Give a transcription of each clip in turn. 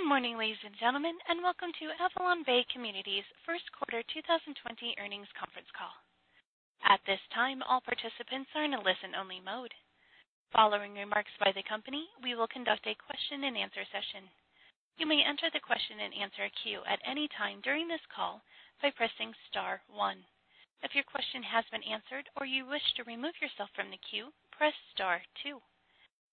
Good morning, ladies and gentlemen, and welcome to AvalonBay Communities' first quarter 2020 earnings conference call. At this time, all participants are in a listen-only mode. Following remarks by the company, we will conduct a question-and-answer session. You may enter the question-and-answer queue at any time during this call by pressing star one. If our question has been answered or you wish to remove yourself from the queue, press star two.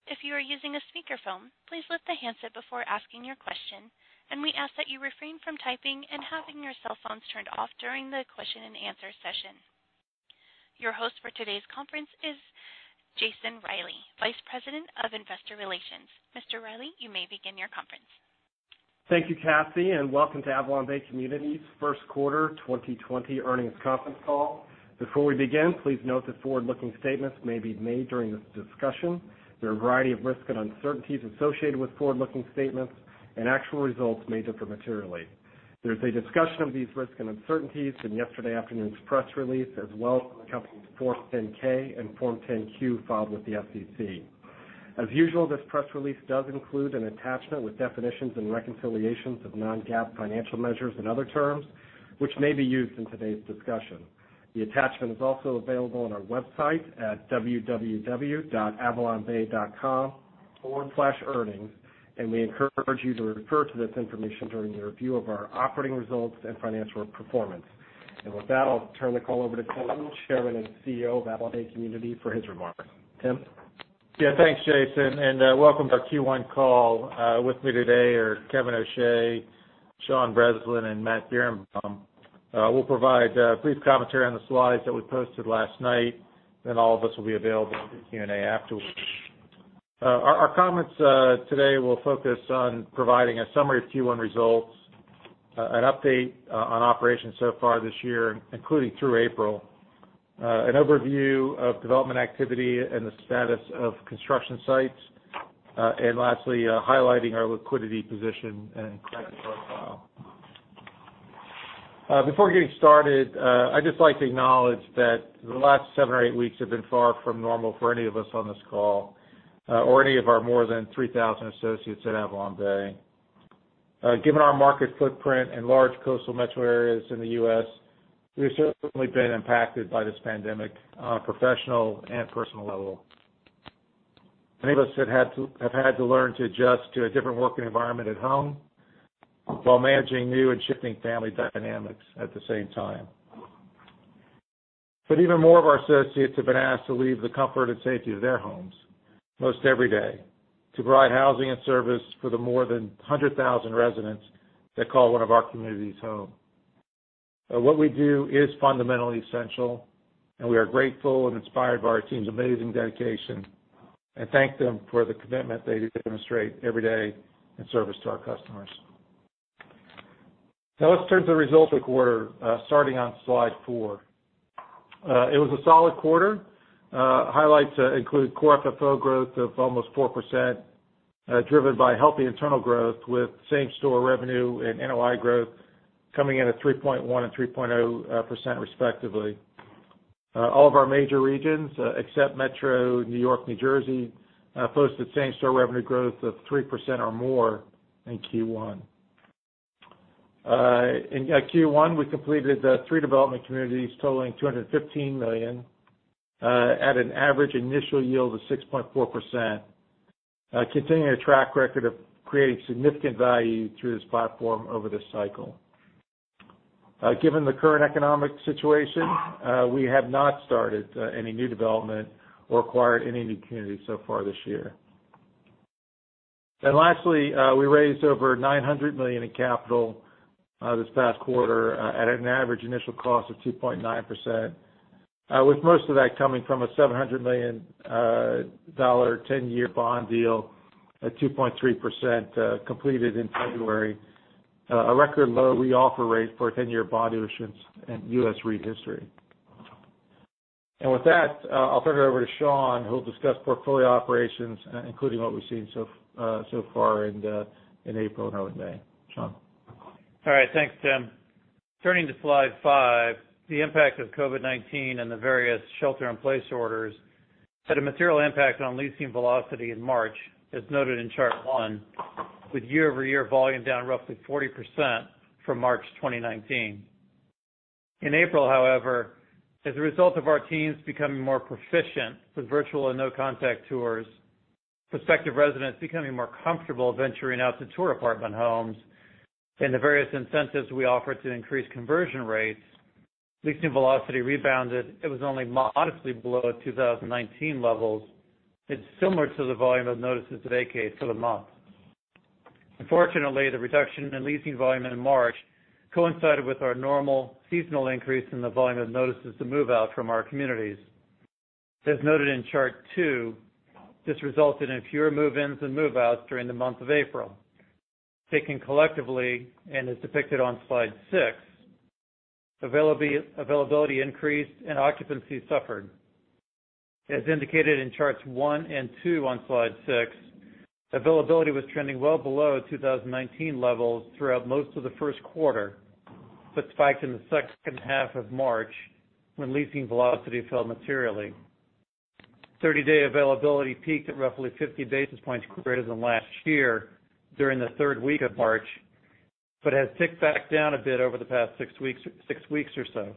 If you are using a speakerphone, please lift the handset before asking your question, and we ask that you refrain from typing and having your cell phones turned off during the question-and-answer session. Your host for today's conference is Jason Reilley, Vice President of Investor Relations. Mr. Reilley, you may begin your conference. Thank you, Kathy, and welcome to AvalonBay Communities' first quarter 2020 earnings conference call. Before we begin, please note that forward-looking statements may be made during this discussion. There are a variety of risks and uncertainties associated with forward-looking statements, and actual results may differ materially. There is a discussion of these risks and uncertainties in yesterday afternoon's press release, as well as in the company's Form 10-K and Form 10-Q filed with the SEC. As usual, this press release does include an attachment with definitions and reconciliations of non-GAAP financial measures and other terms, which may be used in today's discussion. The attachment is also available on our website at www.avalonbay.com/earnings, and we encourage you to refer to this information during your review of our operating results and financial performance. With that, I'll turn the call over to Tim, Chairman and CEO of AvalonBay Communities, for his remarks. Tim? Yeah. Thanks, Jason, welcome to our Q1 call. With me today are Kevin O'Shea, Sean Breslin, and Matt Birenbaum. We'll provide a brief commentary on the slides that we posted last night, all of us will be available for Q&A afterwards. Our comments today will focus on providing a summary of Q1 results, an update on operations so far this year, including through April, an overview of development activity and the status of construction sites, lastly, highlighting our liquidity position and credit profile. Before getting started, I'd just like to acknowledge that the last seven or eight weeks have been far from normal for any of us on this call, or any of our more than 3,000 associates at AvalonBay. Given our market footprint in large coastal metro areas in the U.S., we've certainly been impacted by this pandemic on a professional and personal level. Many of us have had to learn to adjust to a different working environment at home while managing new and shifting family dynamics at the same time. Even more of our associates have been asked to leave the comfort and safety of their homes most every day to provide housing and service for the more than 100,000 residents that call one of our communities home. What we do is fundamentally essential, and we are grateful and inspired by our team's amazing dedication and thank them for the commitment they demonstrate every day in service to our customers. Let's turn to the results of the quarter, starting on slide four. It was a solid quarter. Highlights include core FFO growth of almost 4%, driven by healthy internal growth, with same-store revenue and NOI growth coming in at 3.1% and 3.0%, respectively. All of our major regions, except Metro New York, New Jersey, posted same-store revenue growth of 3% or more in Q1. In Q1, we completed three development communities totaling $215 million at an average initial yield of 6.4%, continuing a track record of creating significant value through this platform over this cycle. Given the current economic situation, we have not started any new development or acquired any new communities so far this year. Lastly, we raised over $900 million in capital this past quarter at an average initial cost of 2.9%, with most of that coming from a $700 million 10-year bond deal at 2.3% completed in February, a record low reoffer rate for 10-year bond issuance in U.S. REIT history. With that, I'll turn it over to Sean, who will discuss portfolio operations, including what we've seen so far in April and early May. Sean? All right. Thanks, Tim. Turning to slide five, the impact of COVID-19 and the various shelter-in-place orders had a material impact on leasing velocity in March, as noted in chart one, with year-over-year volume down roughly 40% from March 2019. In April, however, as a result of our teams becoming more proficient with virtual and no-contact tours, prospective residents becoming more comfortable venturing out to tour apartment homes, and the various incentives we offered to increase conversion rates, leasing velocity rebounded. It was only modestly below 2019 levels and similar to the volume of notices to vacate for the month. Unfortunately, the reduction in leasing volume in March coincided with our normal seasonal increase in the volume of notices to move out from our communities. As noted in chart two, this resulted in fewer move-ins and move-outs during the month of April. Taken collectively, and as depicted on slide six, availability increased and occupancy suffered. As indicated in charts one and two on slide six, availability was trending well below 2019 levels throughout most of the first quarter, but spiked in the second half of March when leasing velocity fell materially. 30-day availability peaked at roughly 50 basis points greater than last year during the third week of March, but has ticked back down a bit over the past six weeks or so.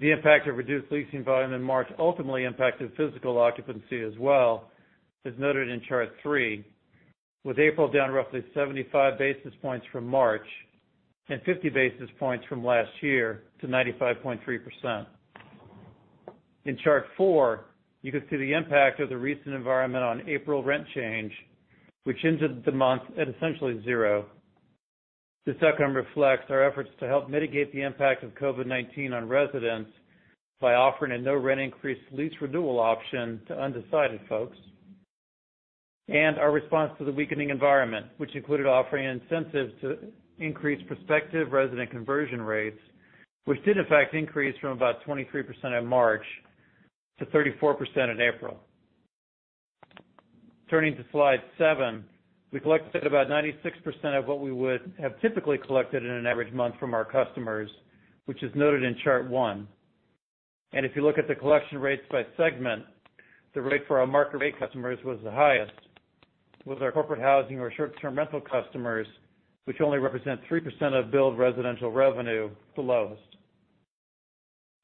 The impact of reduced leasing volume in March ultimately impacted physical occupancy as well, as noted in chart three, with April down roughly 75 basis points from March, and 50 basis points from last year to 95.3%. In chart four, you can see the impact of the recent environment on April rent change, which ended the month at essentially zero. The second reflects our efforts to help mitigate the impact of COVID-19 on residents by offering a no-rent increase lease renewal option to undecided folks. Our response to the weakening environment, which included offering incentives to increase prospective resident conversion rates, which did in fact increase from about 23% in March to 34% in April. Turning to slide seven, we collected about 96% of what we would have typically collected in an average month from our customers, which is noted in chart one. If you look at the collection rates by segment, the rate for our market rate customers was the highest, with our corporate housing or short-term rental customers, which only represent 3% of billed residential revenue, the lowest.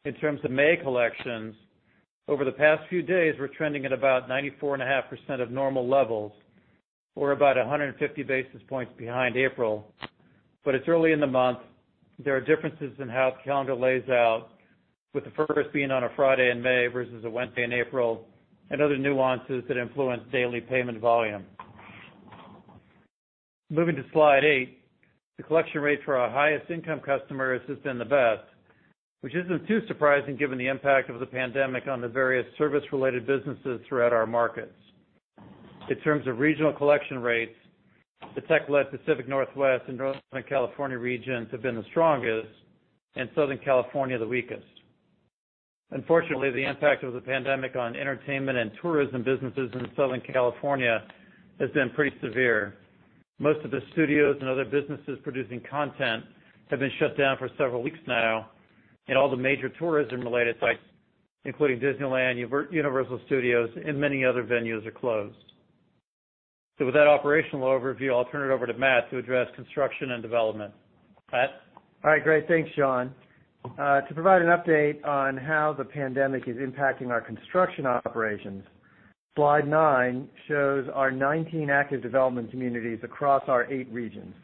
In terms of May collections, over the past few days, we're trending at about 94.5% of normal levels, or about 150 basis points behind April. It's early in the month. There are differences in how calendar lays out, with the first being on a Friday in May versus a Wednesday in April, and other nuances that influence daily payment volume. Moving to slide eight, the collection rate for our highest income customers has been the best, which isn't too surprising given the impact of the pandemic on the various service-related businesses throughout our markets. In terms of regional collection rates, the tech-led Pacific Northwest and Northern California regions have been the strongest, and Southern California the weakest. Unfortunately, the impact of the pandemic on entertainment and tourism businesses in Southern California has been pretty severe. Most of the studios and other businesses producing content have been shut down for several weeks now, and all the major tourism-related sites, including Disneyland, Universal Studios, and many other venues, are closed. With that operational overview, I'll turn it over to Matt to address construction and development. Matt? All right, great. Thanks, Sean. To provide an update on how the pandemic is impacting our construction operations, slide nine shows our 19 active development communities across our eight regions.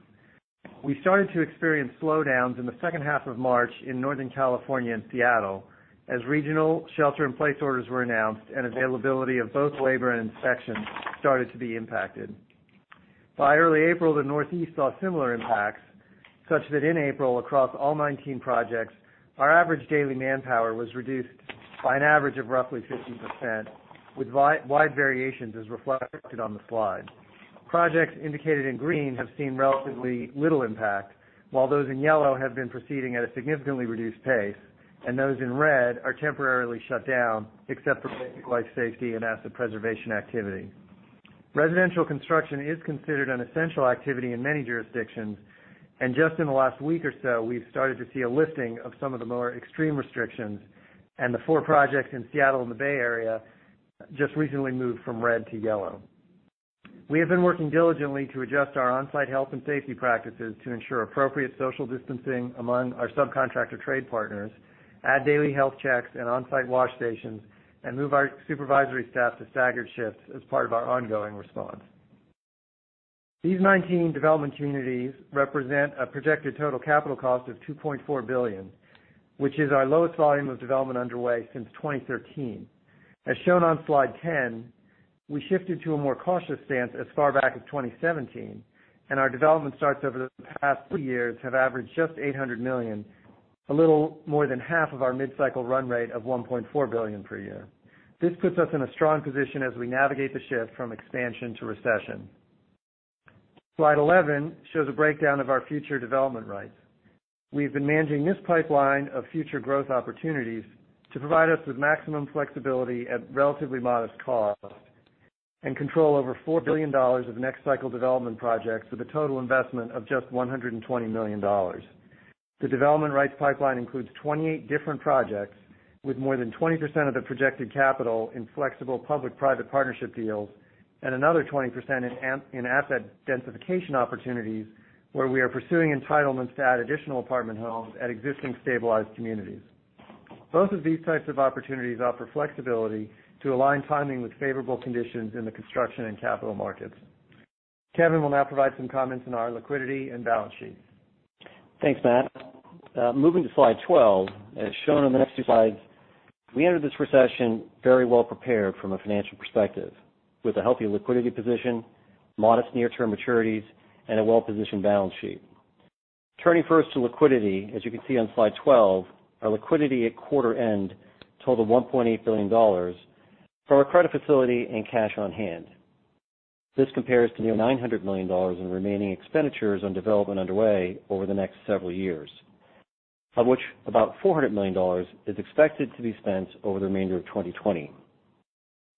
We started to experience slowdowns in the second half of March in Northern California and Seattle as regional shelter-in-place orders were announced and availability of both labor and inspection started to be impacted. By early April, the Northeast saw similar impacts, such that in April, across all 19 projects, our average daily manpower was reduced by an average of roughly 50%, with wide variations as reflected on the slide. Projects indicated in green have seen relatively little impact, while those in yellow have been proceeding at a significantly reduced pace, and those in red are temporarily shut down except for basic life safety and asset preservation activity. Residential construction is considered an essential activity in many jurisdictions, and just in the last week or so, we've started to see a lifting of some of the more extreme restrictions, and the four projects in Seattle and the Bay Area just recently moved from red to yellow. We have been working diligently to adjust our on-site health and safety practices to ensure appropriate social distancing among our subcontractor trade partners, add daily health checks and on-site wash stations, and move our supervisory staff to staggered shifts as part of our ongoing response. These 19 development communities represent a projected total capital cost of $2.4 billion, which is our lowest volume of development underway since 2013. As shown on slide 10, we shifted to a more cautious stance as far back as 2017, and our development starts over the past two years have averaged just $800 million, a little more than half of our mid-cycle run rate of $1.4 billion per year. This puts us in a strong position as we navigate the shift from expansion to recession. Slide 11 shows a breakdown of our future development rights. We've been managing this pipeline of future growth opportunities to provide us with maximum flexibility at relatively modest cost and control over $4 billion of next cycle development projects with a total investment of just $120 million. The development rights pipeline includes 28 different projects with more than 20% of the projected capital in flexible public-private partnership deals and another 20% in asset densification opportunities where we are pursuing entitlements to add additional apartment homes at existing stabilized communities. Both of these types of opportunities offer flexibility to align timing with favorable conditions in the construction and capital markets. Kevin will now provide some comments on our liquidity and balance sheets. Thanks, Matt. Moving to slide 12. As shown on the next few slides, we entered this recession very well prepared from a financial perspective with a healthy liquidity position, modest near-term maturities, and a well-positioned balance sheet. Turning first to liquidity, as you can see on slide 12, our liquidity at quarter end totaled $1.8 billion from our credit facility and cash on hand. This compares to near $900 million in remaining expenditures on development underway over the next several years, of which about $400 million is expected to be spent over the remainder of 2020.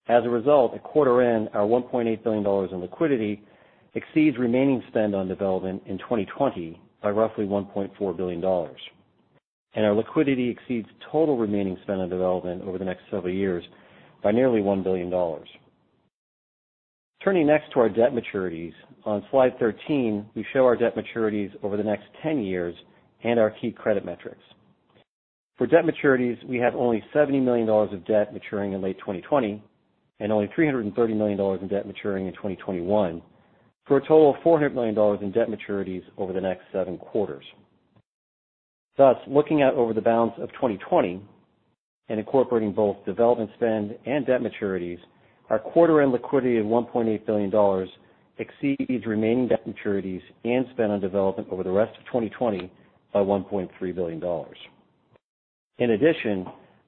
As a result, at quarter end, our $1.8 billion in liquidity exceeds remaining spend on development in 2020 by roughly $1.4 billion. Our liquidity exceeds total remaining spend on development over the next several years by nearly $1 billion. Turning next to our debt maturities. On slide 13, we show our debt maturities over the next 10 years and our key credit metrics. For debt maturities, we have only $70 million of debt maturing in late 2020, and only $330 million in debt maturing in 2021, for a total of $400 million in debt maturities over the next seven quarters. Looking out over the balance of 2020 and incorporating both development spend and debt maturities, our quarter-end liquidity of $1.8 billion exceeds remaining debt maturities and spend on development over the rest of 2020 by $1.3 billion. In addition,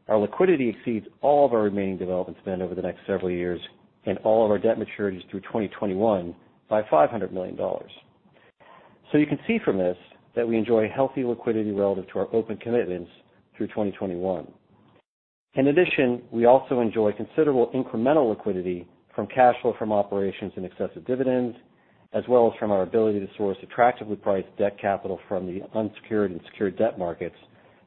our liquidity exceeds all of our remaining development spend over the next several years and all of our debt maturities through 2021 by $500 million. You can see from this that we enjoy healthy liquidity relative to our open commitments through 2021. In addition, we also enjoy considerable incremental liquidity from cash flow from operations in excess of dividends, as well as from our ability to source attractively priced debt capital from the unsecured and secured debt markets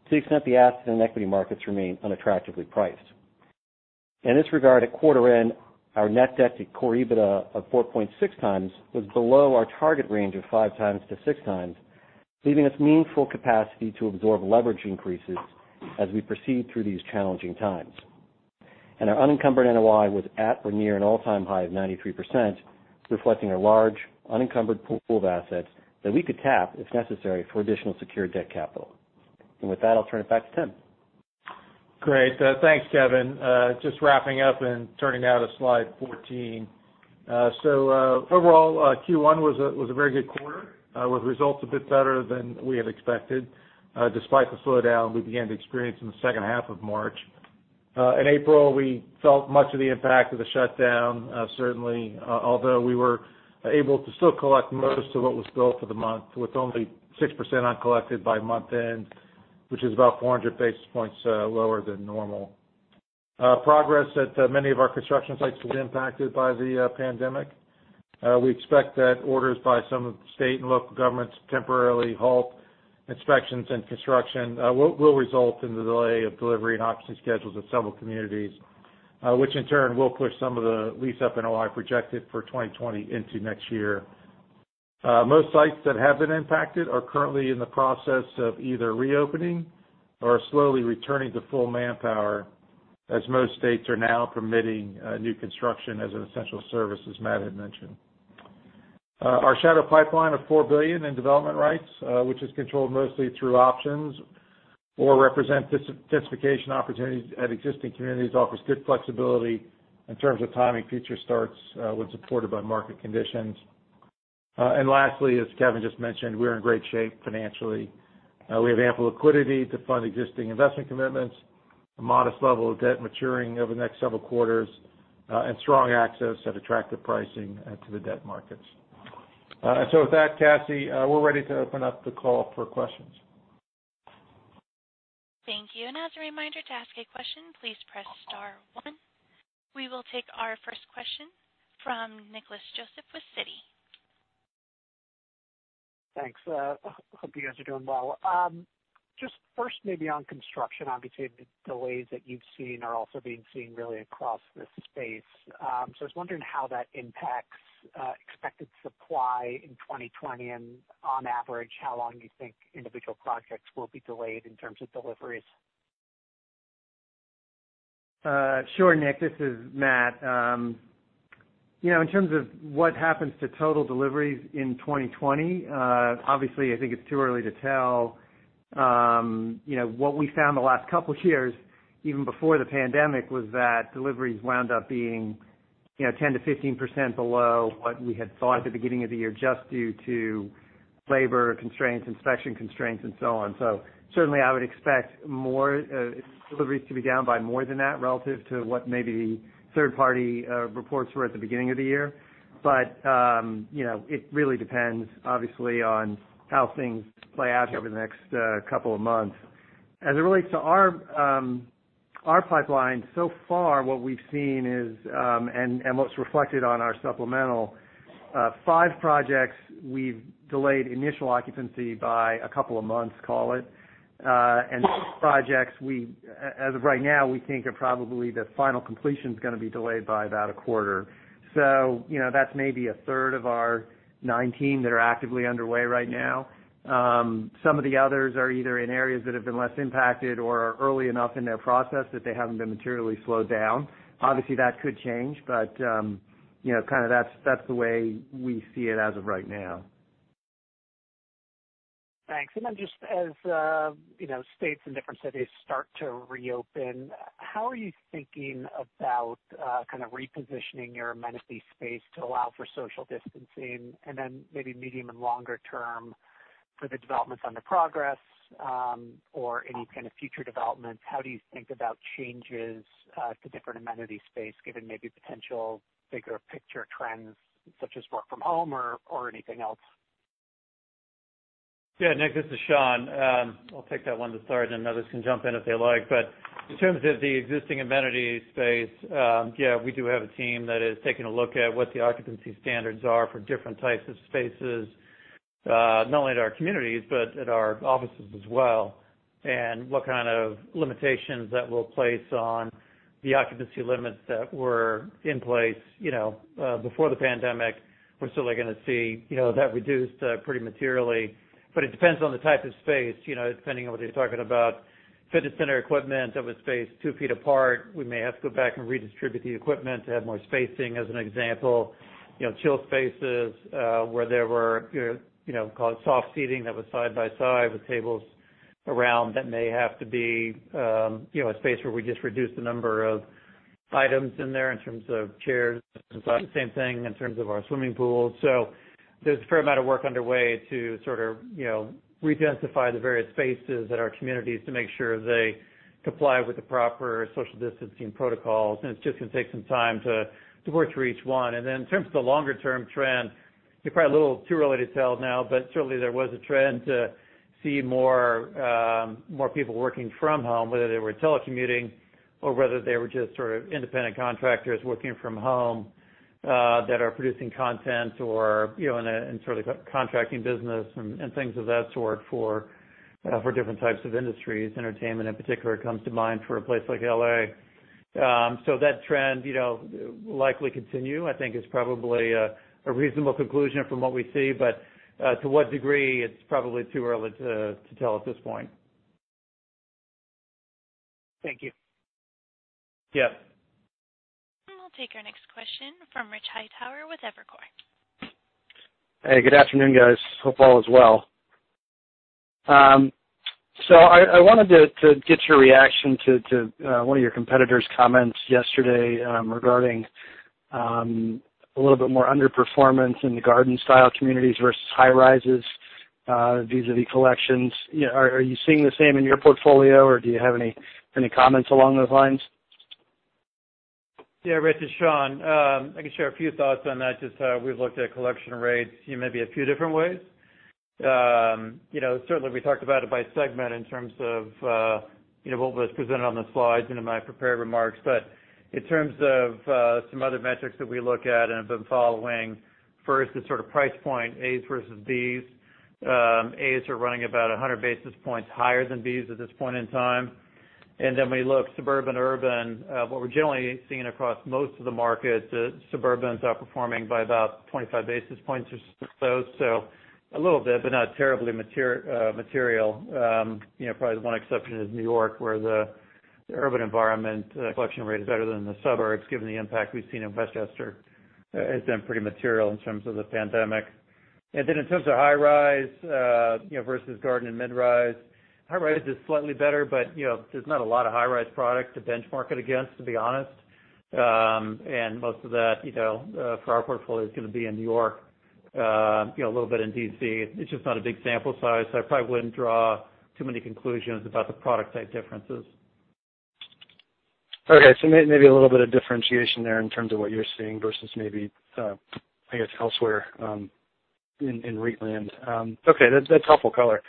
to the extent the asset and equity markets remain unattractively priced. In this regard, at quarter end, our net debt to core EBITDA of 4.6x was below our target range of 5x to 6x, leaving us meaningful capacity to absorb leverage increases as we proceed through these challenging times. Our unencumbered NOI was at or near an all-time high of 93%, reflecting a large unencumbered pool of assets that we could tap, if necessary, for additional secured debt capital. With that, I'll turn it back to Tim. Great. Thanks, Kevin. Just wrapping up and turning now to slide 14. Overall, Q1 was a very good quarter, with results a bit better than we had expected, despite the slowdown we began to experience in the second half of March. In April, we felt much of the impact of the shutdown, certainly, although we were able to still collect most of what was billed for the month, with only 6% uncollected by month-end, which is about 400 basis points lower than normal. Progress at many of our construction sites was impacted by the pandemic. We expect that orders by some of the state and local governments to temporarily halt inspections and construction will result in the delay of delivery and occupancy schedules at several communities, which in turn will push some of the lease-up NOI projected for 2020 into next year. Most sites that have been impacted are currently in the process of either reopening or are slowly returning to full manpower, as most states are now permitting new construction as an essential service, as Matt had mentioned. Our shadow pipeline of $4 billion in development rights, which is controlled mostly through options or represent densification opportunities at existing communities, offers good flexibility in terms of timing future starts when supported by market conditions. Lastly, as Kevin just mentioned, we're in great shape financially. We have ample liquidity to fund existing investment commitments, a modest level of debt maturing over the next several quarters, and strong access at attractive pricing to the debt markets. With that, Cassie, we're ready to open up the call for questions. Thank you. As a reminder, to ask a question, please press star one. We will take our first question from Nicholas Joseph with Citi. Thanks. Hope you guys are doing well. Just first maybe on construction. Obviously, the delays that you've seen are also being seen really across the space. I was wondering how that impacts expected supply in 2020 and on average, how long you think individual projects will be delayed in terms of deliveries. Sure, Nick, this is Matt. In terms of what happens to total deliveries in 2020, obviously, I think it's too early to tell. What we found the last couple years, even before the pandemic, was that deliveries wound up being 10%-15% below what we had thought at the beginning of the year, just due to labor constraints, inspection constraints, and so on. Certainly, I would expect deliveries to be down by more than that relative to what maybe third-party reports were at the beginning of the year. It really depends, obviously, on how things play out over the next couple of months. As it relates to our pipeline, so far what we've seen is, and what's reflected on our supplemental, five projects we've delayed initial occupancy by a couple of months, call it. Six projects, as of right now, we think are probably the final completion's going to be delayed by about a quarter. That's maybe a third of our 19 that are actively underway right now. Some of the others are either in areas that have been less impacted or are early enough in their process that they haven't been materially slowed down. Obviously, that could change, that's the way we see it as of right now. Thanks. Just as states and different cities start to reopen, how are you thinking about kind of repositioning your amenity space to allow for social distancing? Maybe medium and longer term for the developments under progress or any kind of future developments, how do you think about changes to different amenity space, given maybe potential bigger picture trends such as work from home or anything else? Yeah, Nick, this is Sean. I'll take that one to start, and others can jump in if they like. In terms of the existing amenity space, yeah, we do have a team that is taking a look at what the occupancy standards are for different types of spaces. Not only at our communities, but at our offices as well, and what kind of limitations that we'll place on the occupancy limits that were in place before the pandemic. We're still going to see that reduced pretty materially. It depends on the type of space, depending on whether you're talking about fitness center equipment that was spaced two feet apart. We may have to go back and redistribute the equipment to have more spacing, as an example. Chill spaces where there were soft seating that was side by side with tables around, that may have to be a space where we just reduce the number of items in there in terms of chairs. The same thing in terms of our swimming pool. There's a fair amount of work underway to re-densify the various spaces at our communities to make sure they comply with the proper social distancing protocols, and it's just going to take some time to work through each one. In terms of the longer-term trend, it's probably a little too early to tell now, but certainly there was a trend to see more people working from home, whether they were telecommuting or whether they were just independent contractors working from home that are producing content or in a contracting business and things of that sort for different types of industries. Entertainment in particular comes to mind for a place like L.A. That trend will likely continue. I think it's probably a reasonable conclusion from what we see, but to what degree, it's probably too early to tell at this point. Thank you. Yeah. We'll take our next question from Rich Hightower with Evercore. Hey, good afternoon, guys. Hope all is well. I wanted to get your reaction to one of your competitor's comments yesterday regarding a little bit more underperformance in the garden-style communities versus high rises vis-à-vis collections. Are you seeing the same in your portfolio, or do you have any comments along those lines? Yeah, Rich, it's Sean. I can share a few thoughts on that, just how we've looked at collection rates maybe a few different ways. We talked about it by segment in terms of what was presented on the slides and in my prepared remarks. In terms of some other metrics that we look at and have been following, first is sort of price point, As versus Bs. As are running about 100 basis points higher than Bs at this point in time. We look suburban, urban. What we're generally seeing across most of the market, the suburbans are performing by about 25 basis points or so. A little bit, but not terribly material. Probably the one exception is New York, where the urban environment collection rate is better than the suburbs, given the impact we've seen in Westchester has been pretty material in terms of the pandemic. Then in terms of high rise versus garden and mid-rise, high rise is slightly better, but there's not a lot of high-rise product to benchmark it against, to be honest. Most of that for our portfolio is going to be in New York, a little bit in D.C. It's just not a big sample size, so I probably wouldn't draw too many conclusions about the product type differences. Okay, maybe a little bit of differentiation there in terms of what you're seeing versus maybe, I guess, elsewhere in REIT land. Okay, that's helpful color.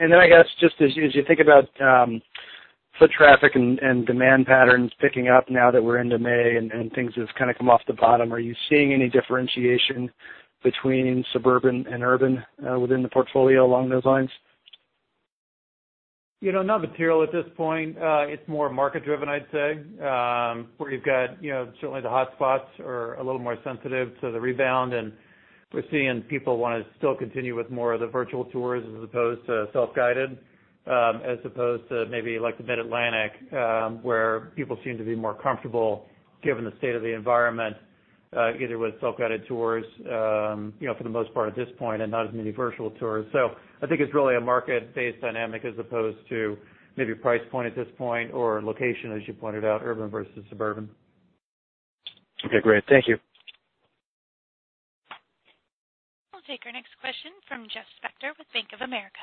I guess, just as you think about foot traffic and demand patterns picking up now that we're into May and things have kind of come off the bottom, are you seeing any differentiation between suburban and urban within the portfolio along those lines? Not material at this point. It's more market driven, I'd say, where you've got certainly the hotspots are a little more sensitive to the rebound, and we're seeing people want to still continue with more of the virtual tours as opposed to self-guided, as opposed to maybe like the Mid-Atlantic where people seem to be more comfortable given the state of the environment either with self-guided tours for the most part at this point and not as many virtual tours. I think it's really a market-based dynamic as opposed to maybe price point at this point or location, as you pointed out, urban versus suburban. Okay, great. Thank you. We'll take our next question from Jeff Spector with Bank of America.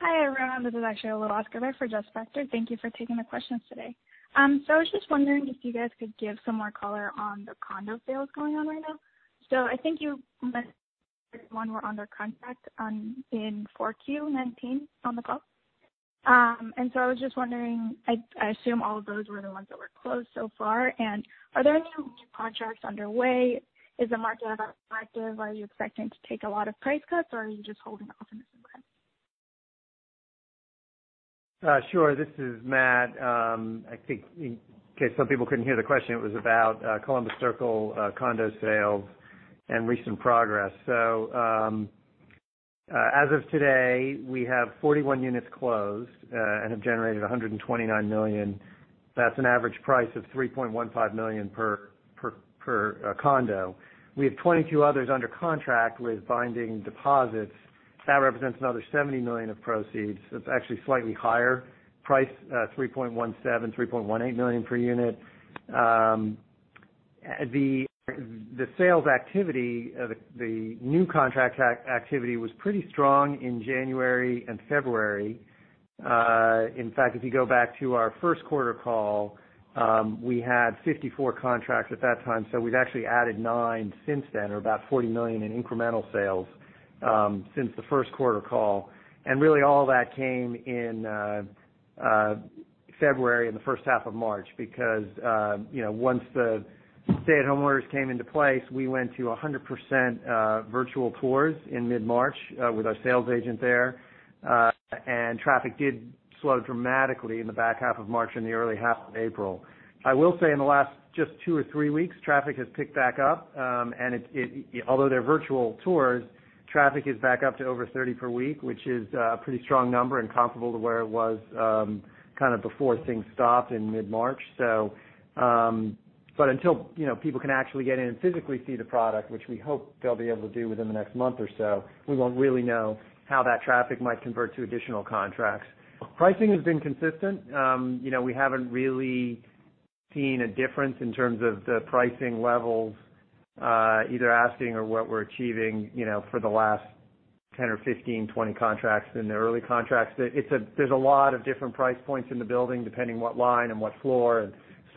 Hi, everyone. This is actually Alua Askarbek there for Jeff Spector. Thank you for taking the questions today. I was just wondering if you guys could give some more color on the condo sales going on right now. I think you mentioned 41 were under contract in 4Q 2019 on the call. I was just wondering, I assume all of those were the ones that were closed so far. Are there any new contracts underway? Is the market active? Are you expecting to take a lot of price cuts, or are you just holding off on this in general? Sure. This is Matt. I think in case some people couldn't hear the question, it was about Columbus Circle condo sales and recent progress. As of today, we have 41 units closed and have generated $129 million. That's an average price of $3.15 million per condo. We have 22 others under contract with binding deposits. That represents another $70 million of proceeds. That's actually a slightly higher price, $3.17 million, $3.18 million per unit. The sales activity, the new contract activity was pretty strong in January and February. In fact, if you go back to our first quarter call, we had 54 contracts at that time. We've actually added nine since then, or about $40 million in incremental sales since the first quarter call. Really all that came in February and the first half of March, because once the stay-at-home orders came into place, we went to 100% virtual tours in mid-March with our sales agent there. Traffic did slow dramatically in the back half of March and the early half of April. I will say in the last just two or three weeks, traffic has picked back up. Although they're virtual tours, traffic is back up to over 30 per week, which is a pretty strong number and comparable to where it was before things stopped in mid-March. Until people can actually get in and physically see the product, which we hope they'll be able to do within the next month or so, we won't really know how that traffic might convert to additional contracts. Pricing has been consistent. We haven't really seen a difference in terms of the pricing levels, either asking or what we're achieving, for the last 10 or 15, 20 contracts in the early contracts. There's a lot of different price points in the building, depending what line and what floor. It's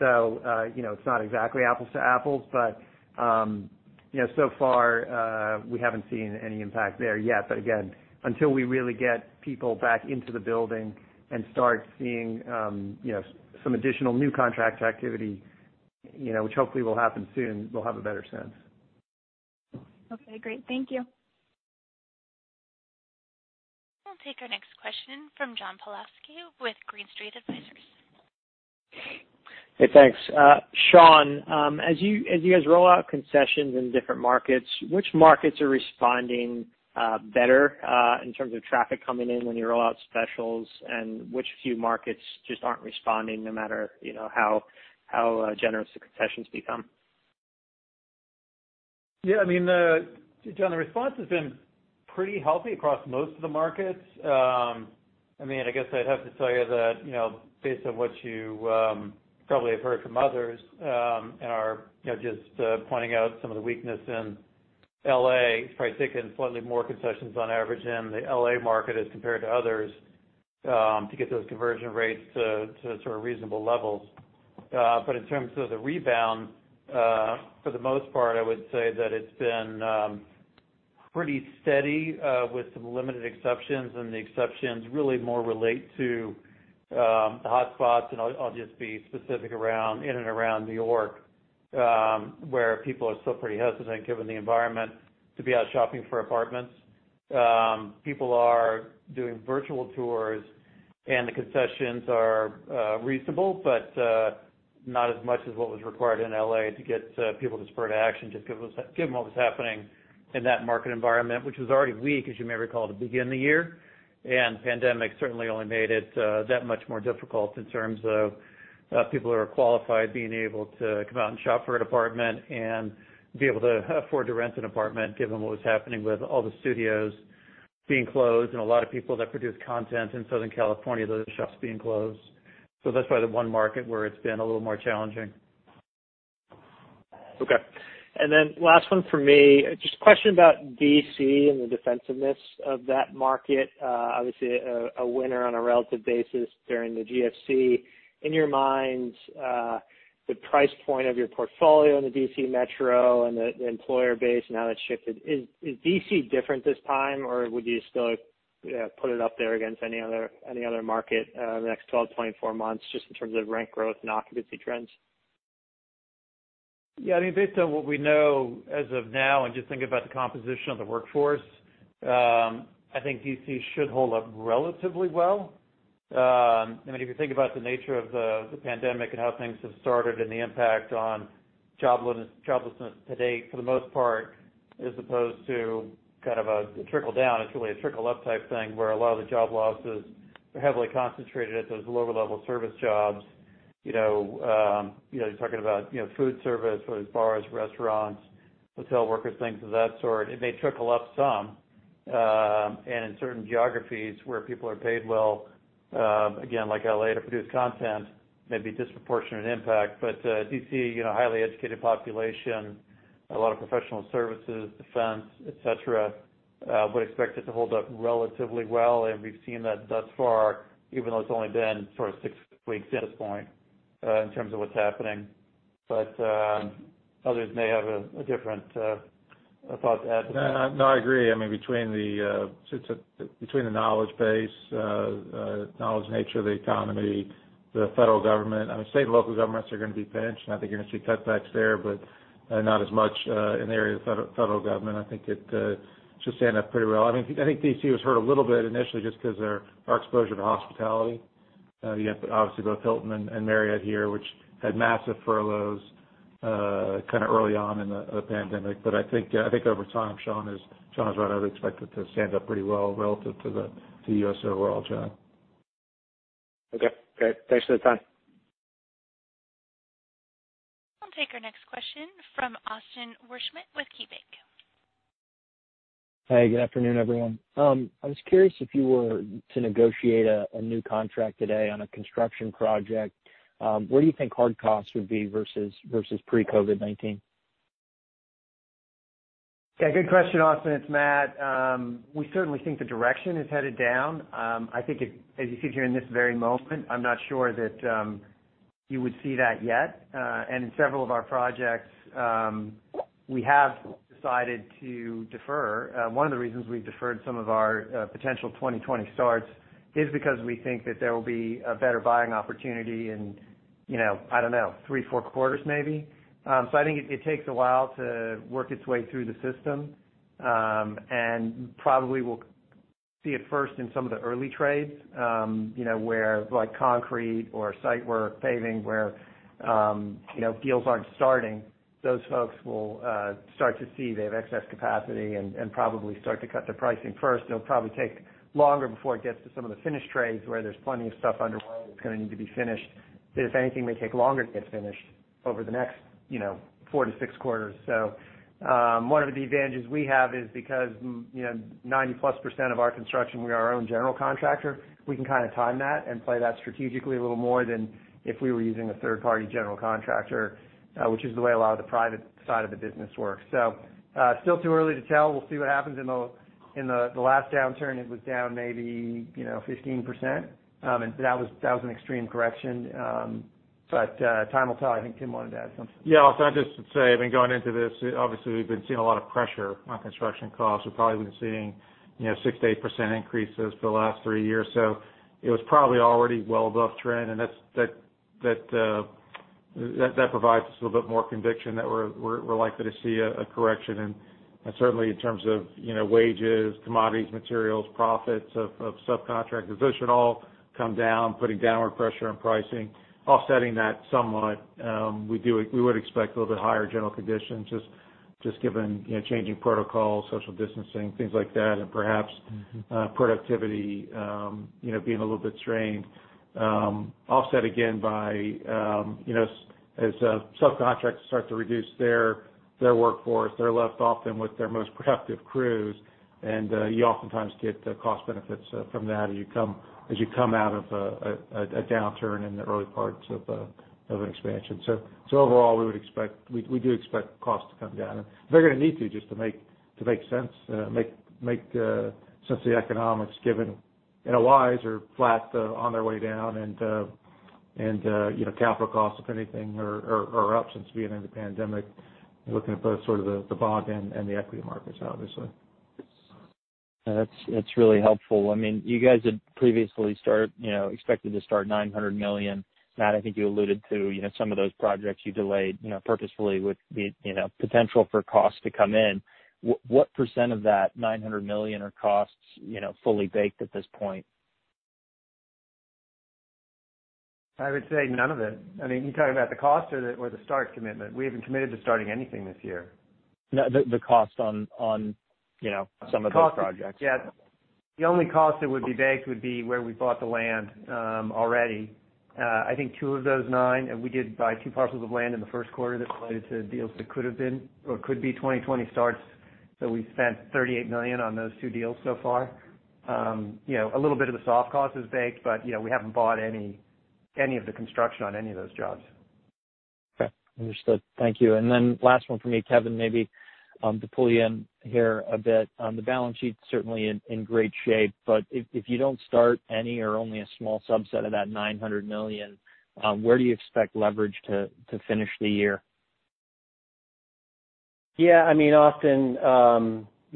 not exactly apples to apples, but so far, we haven't seen any impact there yet. Again, until we really get people back into the building and start seeing some additional new contract activity, which hopefully will happen soon, we'll have a better sense. Okay, great. Thank you. We'll take our next question from John Pawlowski with Green Street Advisors. Hey, thanks. Sean, as you guys roll out concessions in different markets, which markets are responding better in terms of traffic coming in when you roll out specials? Which few markets just aren't responding no matter how generous the concessions become? Yeah, John, the response has been pretty healthy across most of the markets. I guess I'd have to tell you that based on what you probably have heard from others, and are just pointing out some of the weakness in L.A., it's probably taken slightly more concessions on average in the L.A. market as compared to others, to get those conversion rates to reasonable levels. In terms of the rebound, for the most part, I would say that it's been pretty steady with some limited exceptions, and the exceptions really more relate to the hotspots. I'll just be specific in and around New York, where people are still pretty hesitant, given the environment, to be out shopping for apartments. People are doing virtual tours, and the concessions are reasonable, but not as much as what was required in L.A. to get people to spur to action, just given what was happening in that market environment. Which was already weak, as you may recall, to begin the year. The pandemic certainly only made it that much more difficult in terms of people who are qualified being able to come out and shop for an apartment and be able to afford to rent an apartment, given what was happening with all the Universal Studios being closed and a lot of people that produce content in Southern California, those shops being closed. That's why the one market where it's been a little more challenging. Okay. Last one from me, just a question about D.C. and the defensiveness of that market. Obviously, a winner on a relative basis during the GFC. In your minds, the price point of your portfolio in the D.C. Metro and the employer base and how that's shifted, is D.C. different this time, or would you still put it up there against any other market in the next 12 to 24 months, just in terms of rent growth and occupancy trends? Yeah, based on what we know as of now, and just thinking about the composition of the workforce, I think D.C. should hold up relatively well. If you think about the nature of the pandemic and how things have started and the impact on joblessness to date, for the most part, as opposed to a trickle-down, it's really a trickle-up type thing where a lot of the job losses are heavily concentrated at those lower-level service jobs. You're talking about food service, whether it's bars, restaurants, hotel workers, things of that sort. It may trickle up some. In certain geographies where people are paid well, again, like L.A. to produce content, maybe disproportionate impact. D.C., highly educated population, a lot of professional services, defense, et cetera, would expect it to hold up relatively well. We've seen that thus far, even though it's only been sort of six weeks at this point in terms of what's happening. Others may have a different thought to add. No, I agree. Between the knowledge base, the knowledge nature of the economy, the federal government. State and local governments are going to be pinched, and I think you're going to see cutbacks there, but not as much in the area of the federal government. I think it should stand up pretty well. I think D.C. was hurt a little bit initially just because of our exposure to hospitality. You have obviously both Hilton and Marriott here, which had massive furloughs early on in the pandemic. I think over time, Sean is right. I would expect it to stand up pretty well relative to the U.S. overall, John. Okay, great. Thanks for the time. I'll take our next question from Austin Wurschmidt with KeyBanc. Hey, good afternoon, everyone. I was curious if you were to negotiate a new contract today on a construction project, where do you think hard costs would be versus pre-COVID-19? Yeah. Good question, Austin. It's Matt. We certainly think the direction is headed down. I think as you sit here in this very moment, I'm not sure that you would see that yet. In several of our projects, we have decided to defer. One of the reasons we deferred some of our potential 2020 starts is because we think that there will be a better buying opportunity in, I don't know, three, four quarters maybe. I think it takes a while to work its way through the system. Probably we'll see it first in some of the early trades, where concrete or site work, paving, where deals aren't starting. Those folks will start to see they have excess capacity and probably start to cut their pricing first. It'll probably take longer before it gets to some of the finished trades where there's plenty of stuff underway that's going to need to be finished. If anything, may take longer to get finished over the next four to six quarters. One of the advantages we have is because 90%-plus of our construction, we are our own general contractor. We can kind of time that and play that strategically a little more than if we were using a third-party general contractor, which is the way a lot of the private side of the business works. Still too early to tell. We'll see what happens. In the last downturn, it was down maybe 15%, and that was an extreme correction. Time will tell. I think Tim wanted to add something. Yeah, Austin, I'd just say, I mean, going into this, obviously, we've been seeing a lot of pressure on construction costs. We've probably been seeing 6%-8% increases for the last three years. It was probably already well above trend, and that provides us a little bit more conviction that we're likely to see a correction. Certainly in terms of wages, commodities, materials, profits of subcontractors, those should all come down, putting downward pressure on pricing. Offsetting that somewhat, we would expect a little bit higher general conditions, just given changing protocols, social distancing, things like that, and perhaps productivity being a little bit strained. Offset again by, as subcontractors start to reduce their workforce, they're left often with their most productive crews, and you oftentimes get cost benefits from that as you come out of a downturn in the early parts of an expansion. Overall, we do expect costs to come down. They're going to need to, just to make sense of the economics, given NOIs are flat on their way down, and capital costs, if anything, are up since the beginning of the pandemic. You're looking at both sort of the bond and the equity markets, obviously. That's really helpful. You guys had previously expected to start $900 million. Matt, I think you alluded to some of those projects you delayed purposefully with the potential for costs to come in. What % of that $900 million are costs fully baked at this point? I would say none of it. Are you talking about the cost or the start commitment? We haven't committed to starting anything this year. No, the cost on some of those projects. Yeah. The only cost that would be baked would be where we bought the land already. I think two of those nine, and we did buy two parcels of land in the first quarter that related to deals that could have been or could be 2020 starts. We spent $38 million on those two deals so far. A little bit of the soft cost is baked, but we haven't bought any of the construction on any of those jobs. Okay. Understood. Thank you. Last one for me, Kevin, maybe, to pull you in here a bit. The balance sheet's certainly in great shape, if you don't start any or only a small subset of that $900 million, where do you expect leverage to finish the year? Austin,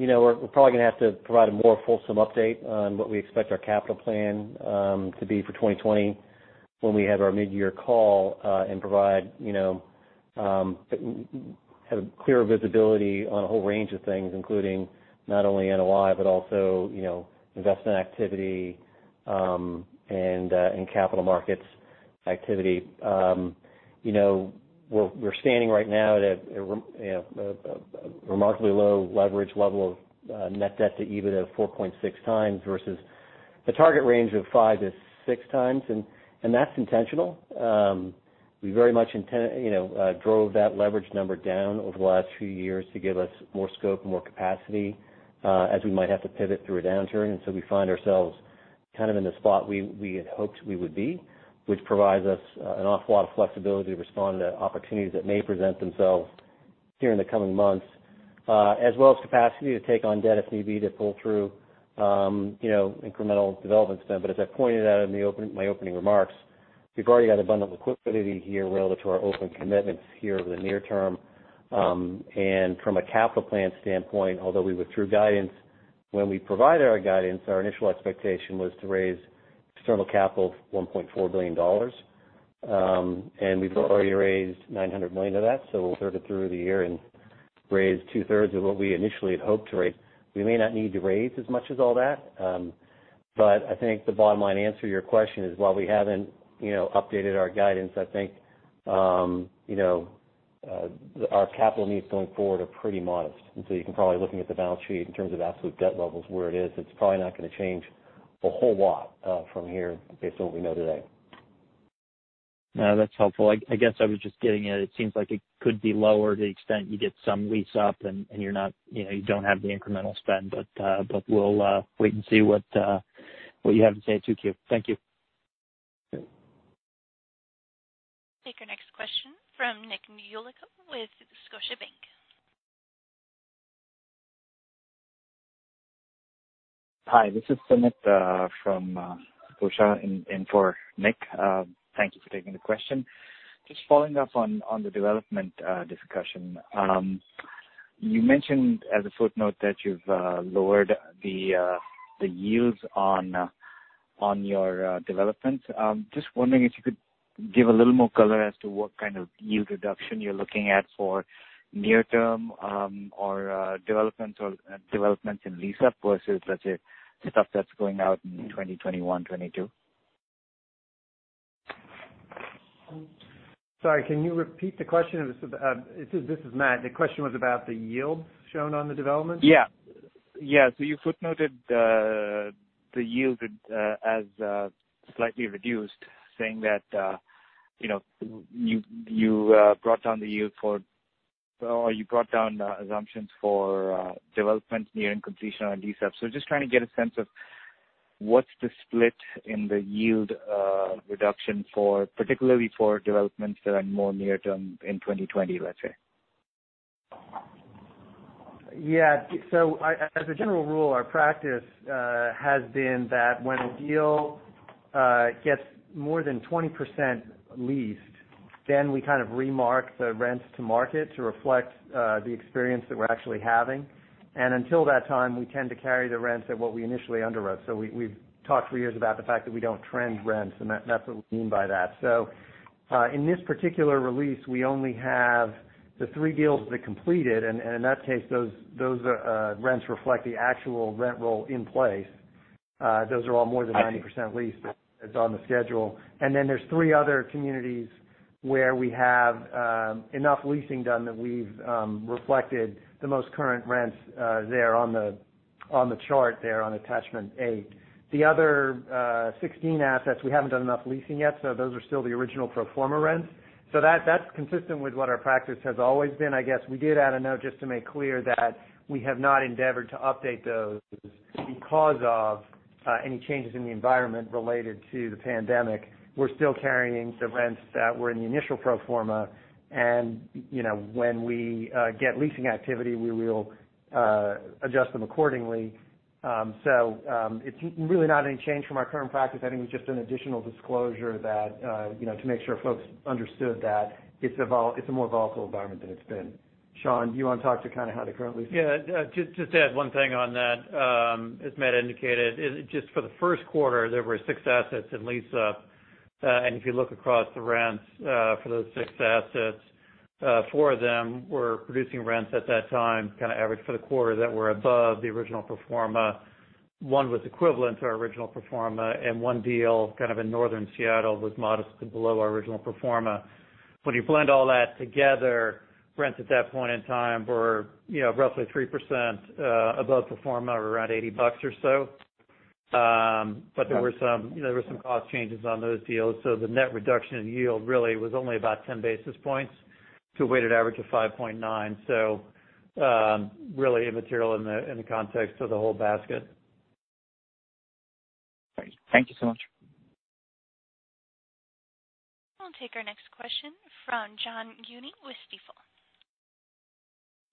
we're probably going to have to provide a more fulsome update on what we expect our capital plan to be for 2020 when we have our mid-year call and provide clearer visibility on a whole range of things, including not only NOI, but also investment activity, and capital markets activity. We're standing right now at a remarkably low leverage level of net debt to EBITDA of 4.6x versus a target range of five to 6x. That's intentional. We very much drove that leverage number down over the last few years to give us more scope and more capacity as we might have to pivot through a downturn. We find ourselves kind of in the spot we had hoped we would be, which provides us an awful lot of flexibility to respond to opportunities that may present themselves here in the coming months. As well as capacity to take on debt if need be, to pull through incremental development spend. As I pointed out in my opening remarks, we've already got abundant liquidity here relative to our open commitments here over the near term. From a capital plan standpoint, although we withdrew guidance, when we provided our guidance, our initial expectation was to raise external capital of $1.4 billion. We've already raised $900 million of that. We'll sort of through the year and raise two-thirds of what we initially had hoped to raise. We may not need to raise as much as all that. I think the bottom line answer to your question is, while we haven't updated our guidance, I think our capital needs going forward are pretty modest. You can probably, looking at the balance sheet in terms of absolute debt levels, where it is, it's probably not going to change a whole lot from here based on what we know today. No, that's helpful. I guess I was just getting at it seems like it could be lower to the extent you get some lease up and you don't have the incremental spend. We'll wait and see what you have to say too, Q. Thank you. Sure. Take our next question from Nick Yulico with Scotiabank. Hi, this is Sumit from Scotia, and for Nick. Thank you for taking the question. Just following up on the development discussion. You mentioned as a footnote that you've lowered the yields on your developments. I'm just wondering if you could give a little more color as to what kind of yield reduction you're looking at for near term or developments in lease-up versus, let's say, stuff that's going out in 2021, 2022. Sorry, can you repeat the question? This is Matt. The question was about the yields shown on the development? Yeah. You footnoted the yield as slightly reduced, saying that you brought down the assumptions for developments nearing completion on these subs. Just trying to get a sense of what's the split in the yield reduction, particularly for developments that are more near term in 2020, let's say. As a general rule, our practice has been that when a deal gets more than 20% leased, then we kind of remark the rents to market to reflect the experience that we're actually having. Until that time, we tend to carry the rents at what we initially underwrote. We've talked for years about the fact that we don't trend rents, and that's what we mean by that. In this particular release, we only have the three deals that completed, and in that case, those rents reflect the actual rent roll in place. Those are all more than 90% leased as on the schedule. There's three other communities where we have enough leasing done that we've reflected the most current rents there on the chart there on Attachment A. The other 16 assets, we haven't done enough leasing yet, so those are still the original pro forma rents. That's consistent with what our practice has always been. I guess we did add a note just to make clear that we have not endeavored to update those because of any changes in the environment related to the pandemic. We're still carrying the rents that were in the initial pro forma and when we get leasing activity, we will adjust them accordingly. It's really not any change from our current practice. I think it's just an additional disclosure to make sure folks understood that it's a more volatile environment than it's been. Sean, do you want to talk to kind of how the current lease- Just to add one thing on that. As Matt indicated, just for the first quarter, there were six assets in lease-up. If you look across the rents for those six assets, four of them were producing rents at that time, kind of average for the quarter, that were above the original pro forma. One was equivalent to our original pro forma, one deal, kind of in northern Seattle, was modestly below our original pro forma. When you blend all that together, rents at that point in time were roughly 3% above pro forma, or around $80 or so. There were some cost changes on those deals. The net reduction in yield really was only about 10 basis points to a weighted average of 5.9. Really immaterial in the context of the whole basket. Great. Thank you so much. I'll take our next question from John Guinee with Stifel.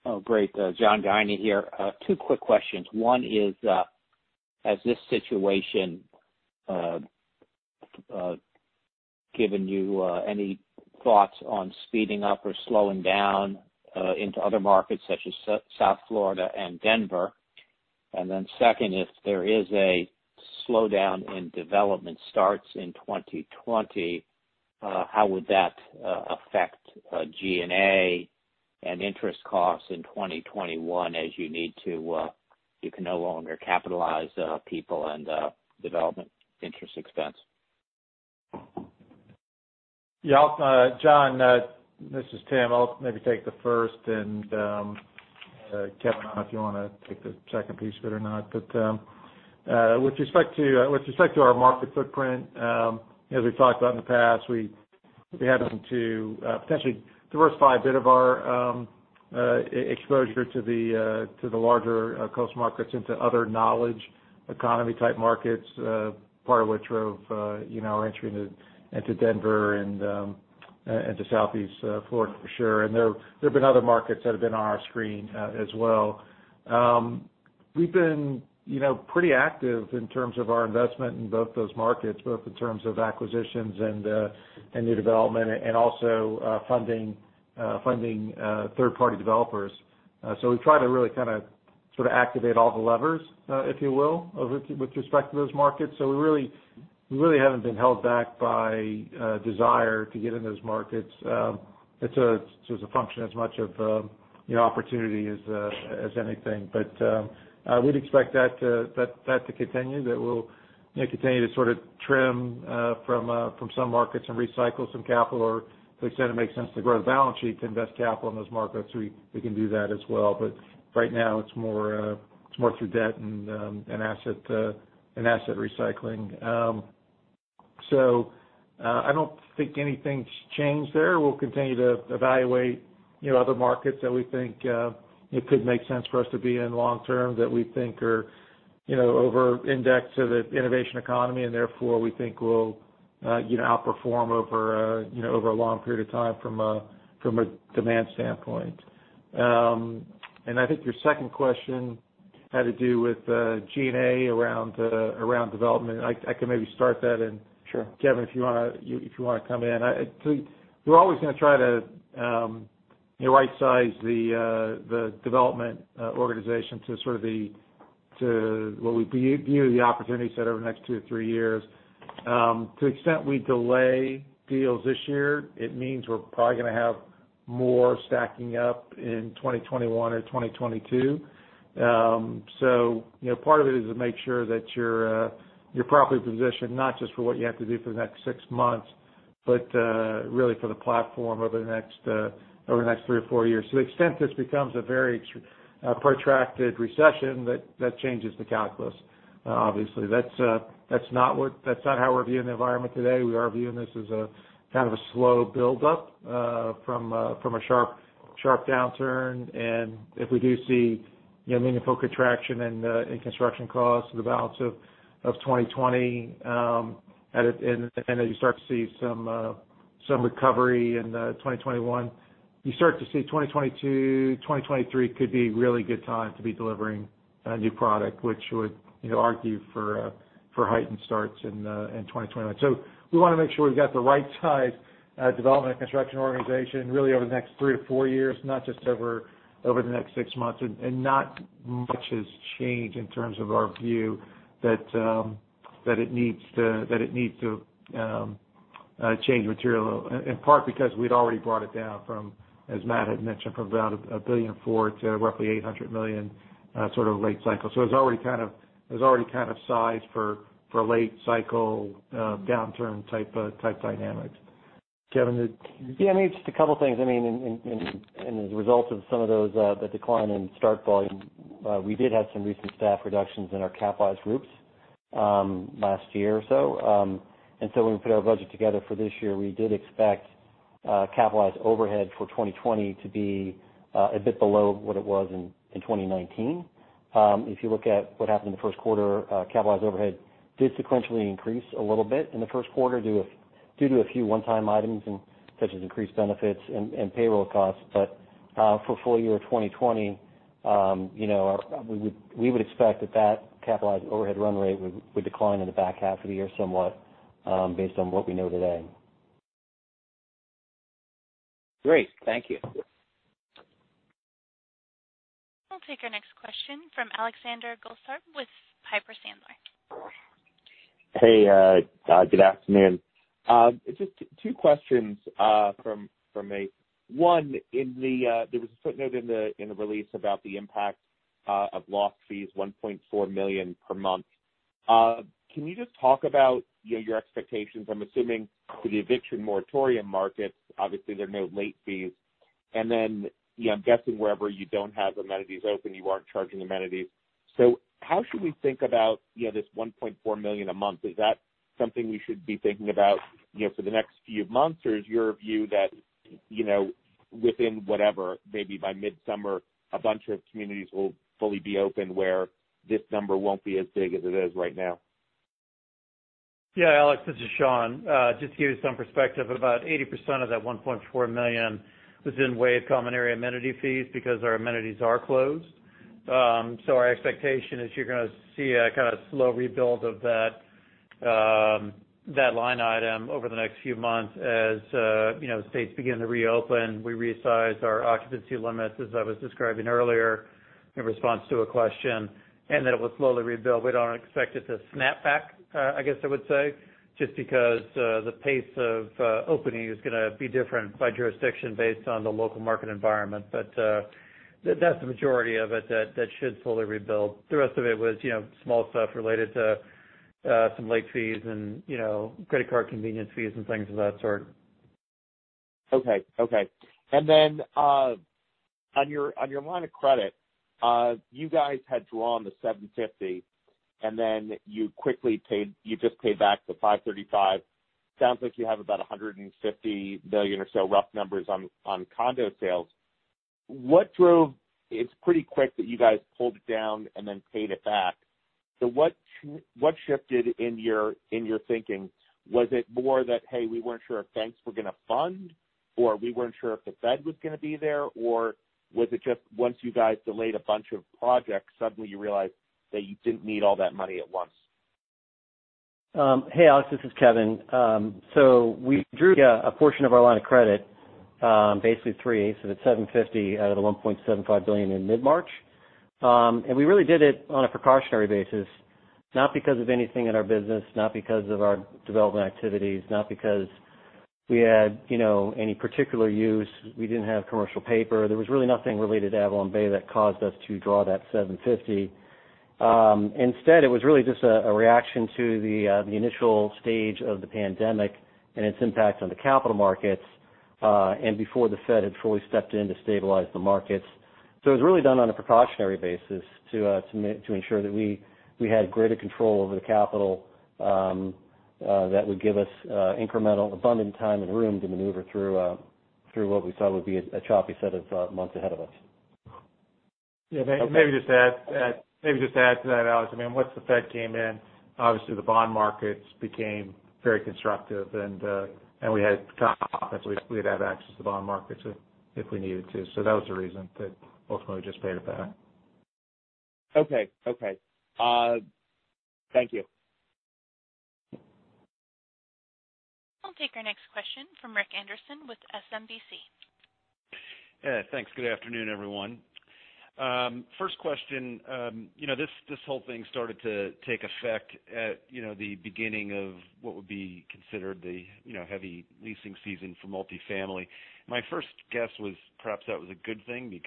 Oh, great. John Guinee here. Two quick questions. One is, has this situation given you any thoughts on speeding up or slowing down into other markets such as South Florida and Denver? Second, if there is a slowdown in development starts in 2020, how would that affect G&A and interest costs in 2021 as you can no longer capitalize people and development interest expense? Yeah. John, this is Tim. I'll maybe take the first and, Kevin, I don't know if you want to take the second piece of it or not. With respect to our market footprint, as we've talked about in the past, we happen to potentially diversify a bit of our exposure to the larger Coast markets into other knowledge economy-type markets, part of which drove our entry into Denver and to Southeast Florida for sure. There have been other markets that have been on our screen as well. We've been pretty active in terms of our investment in both those markets, both in terms of acquisitions and new development and also funding third-party developers. We try to really kind of sort of activate all the levers, if you will, with respect to those markets. We really haven't been held back by desire to get in those markets. It's a function as much of the opportunity as anything. I would expect that to continue, that we'll continue to sort of trim from some markets and recycle some capital, or to the extent it makes sense to grow the balance sheet to invest capital in those markets, we can do that as well. Right now it's more through debt and asset recycling. I don't think anything's changed there. We'll continue to evaluate other markets that we think it could make sense for us to be in long term, that we think are Over index of the innovation economy, and therefore, we think we'll outperform over a long period of time from a demand standpoint. I think your second question had to do with G&A around development. I can maybe start that. Sure. Kevin, if you want to come in. We're always going to try to right-size the development organization to what we view the opportunity set over the next two to three years. To the extent we delay deals this year, it means we're probably going to have more stacking up in 2021 or 2022. Part of it is to make sure that you're properly positioned, not just for what you have to do for the next six months, but really for the platform over the next three or four years. To the extent this becomes a very protracted recession, that changes the calculus obviously. That's not how we're viewing the environment today. We are viewing this as a kind of a slow build up from a sharp downturn. If we do see meaningful contraction in construction costs for the balance of 2020, as you start to see some recovery in 2021, you start to see 2022, 2023 could be a really good time to be delivering a new product, which would argue for heightened starts in 2021. We want to make sure we've got the right size, development and construction organization really over the next three to four years, not just over the next six months. Not much has changed in terms of our view that it needs to change material, in part because we'd already brought it down from, as Matt had mentioned, from around $1.4 billion to roughly $800 million sort of late cycle. It was already kind of sized for late cycle, downturn type dynamics. Kevin. Yeah, maybe just a couple of things. As a result of some of those, the decline in start volume, we did have some recent staff reductions in our capitalized groups last year or so. When we put our budget together for this year, we did expect capitalized overhead for 2020 to be a bit below what it was in 2019. If you look at what happened in the first quarter, capitalized overhead did sequentially increase a little bit in the first quarter due to a few one-time items such as increased benefits and payroll costs. For full year 2020, we would expect that capitalized overhead run rate would decline in the back half of the year somewhat, based on what we know today. Great. Thank you. We'll take our next question from Alexander Goldfarb with Piper Sandler. Hey, good afternoon. Just two questions from me. One, there was a footnote in the release about the impact of lost fees, $1.4 million per month. Can you just talk about your expectations? I'm assuming for the eviction moratorium market, obviously there are no late fees. I'm guessing wherever you don't have amenities open, you aren't charging amenities. How should we think about this $1.4 million a month? Is that something we should be thinking about for the next few months? Is your view that within whatever, maybe by midsummer, a bunch of communities will fully be open where this number won't be as big as it is right now? Yeah, Alex, this is Sean. Just to give you some perspective, about 80% of that $1.4 million was in way of common area amenity fees because our amenities are closed. Our expectation is you're going to see a kind of slow rebuild of that line item over the next few months as states begin to reopen. We resized our occupancy limits, as I was describing earlier in response to a question, that it will slowly rebuild. We don't expect it to snap back, I guess I would say, just because the pace of opening is going to be different by jurisdiction based on the local market environment. That's the majority of it that should slowly rebuild. The rest of it was small stuff related to some late fees and credit card convenience fees and things of that sort. Okay. On your line of credit, you guys had drawn the $750, and then you just paid back the $535. Sounds like you have about $150 million or so rough numbers on condo sales. It's pretty quick that you guys pulled it down and then paid it back. What shifted in your thinking? Was it more that, hey, we weren't sure if banks were going to fund, or we weren't sure if the Fed was going to be there? Was it just once you guys delayed a bunch of projects, suddenly you realized that you didn't need all that money at once? Hey, Alex, this is Kevin. We drew a portion of our line of credit, basically three-eighths of it, $750 out of the $1.75 billion in mid-March. We really did it on a precautionary basis, not because of anything in our business, not because of our development activities, not because we had any particular use. We didn't have commercial paper. There was really nothing related to AvalonBay that caused us to draw that $750. It was really just a reaction to the initial stage of the pandemic and its impact on the capital markets, and before the Fed had fully stepped in to stabilize the markets. It was really done on a precautionary basis to ensure that we had greater control over the capital that would give us incremental abundant time and room to maneuver through what we thought would be a choppy set of months ahead of us. Yeah. Maybe just to add to that, Alex. Once the Fed came in, obviously the bond markets became very constructive, and we had confidence we'd have access to bond markets if we needed to. That was the reason that ultimately just paid it back. Okay. Thank you. I'll take our next question from Rich Anderson with SMBC. Yeah. Thanks. Good afternoon, everyone. First question. This whole thing started to take effect at the beginning of what would be considered the heavy leasing season for multifamily. My first guess was perhaps that was a good thing.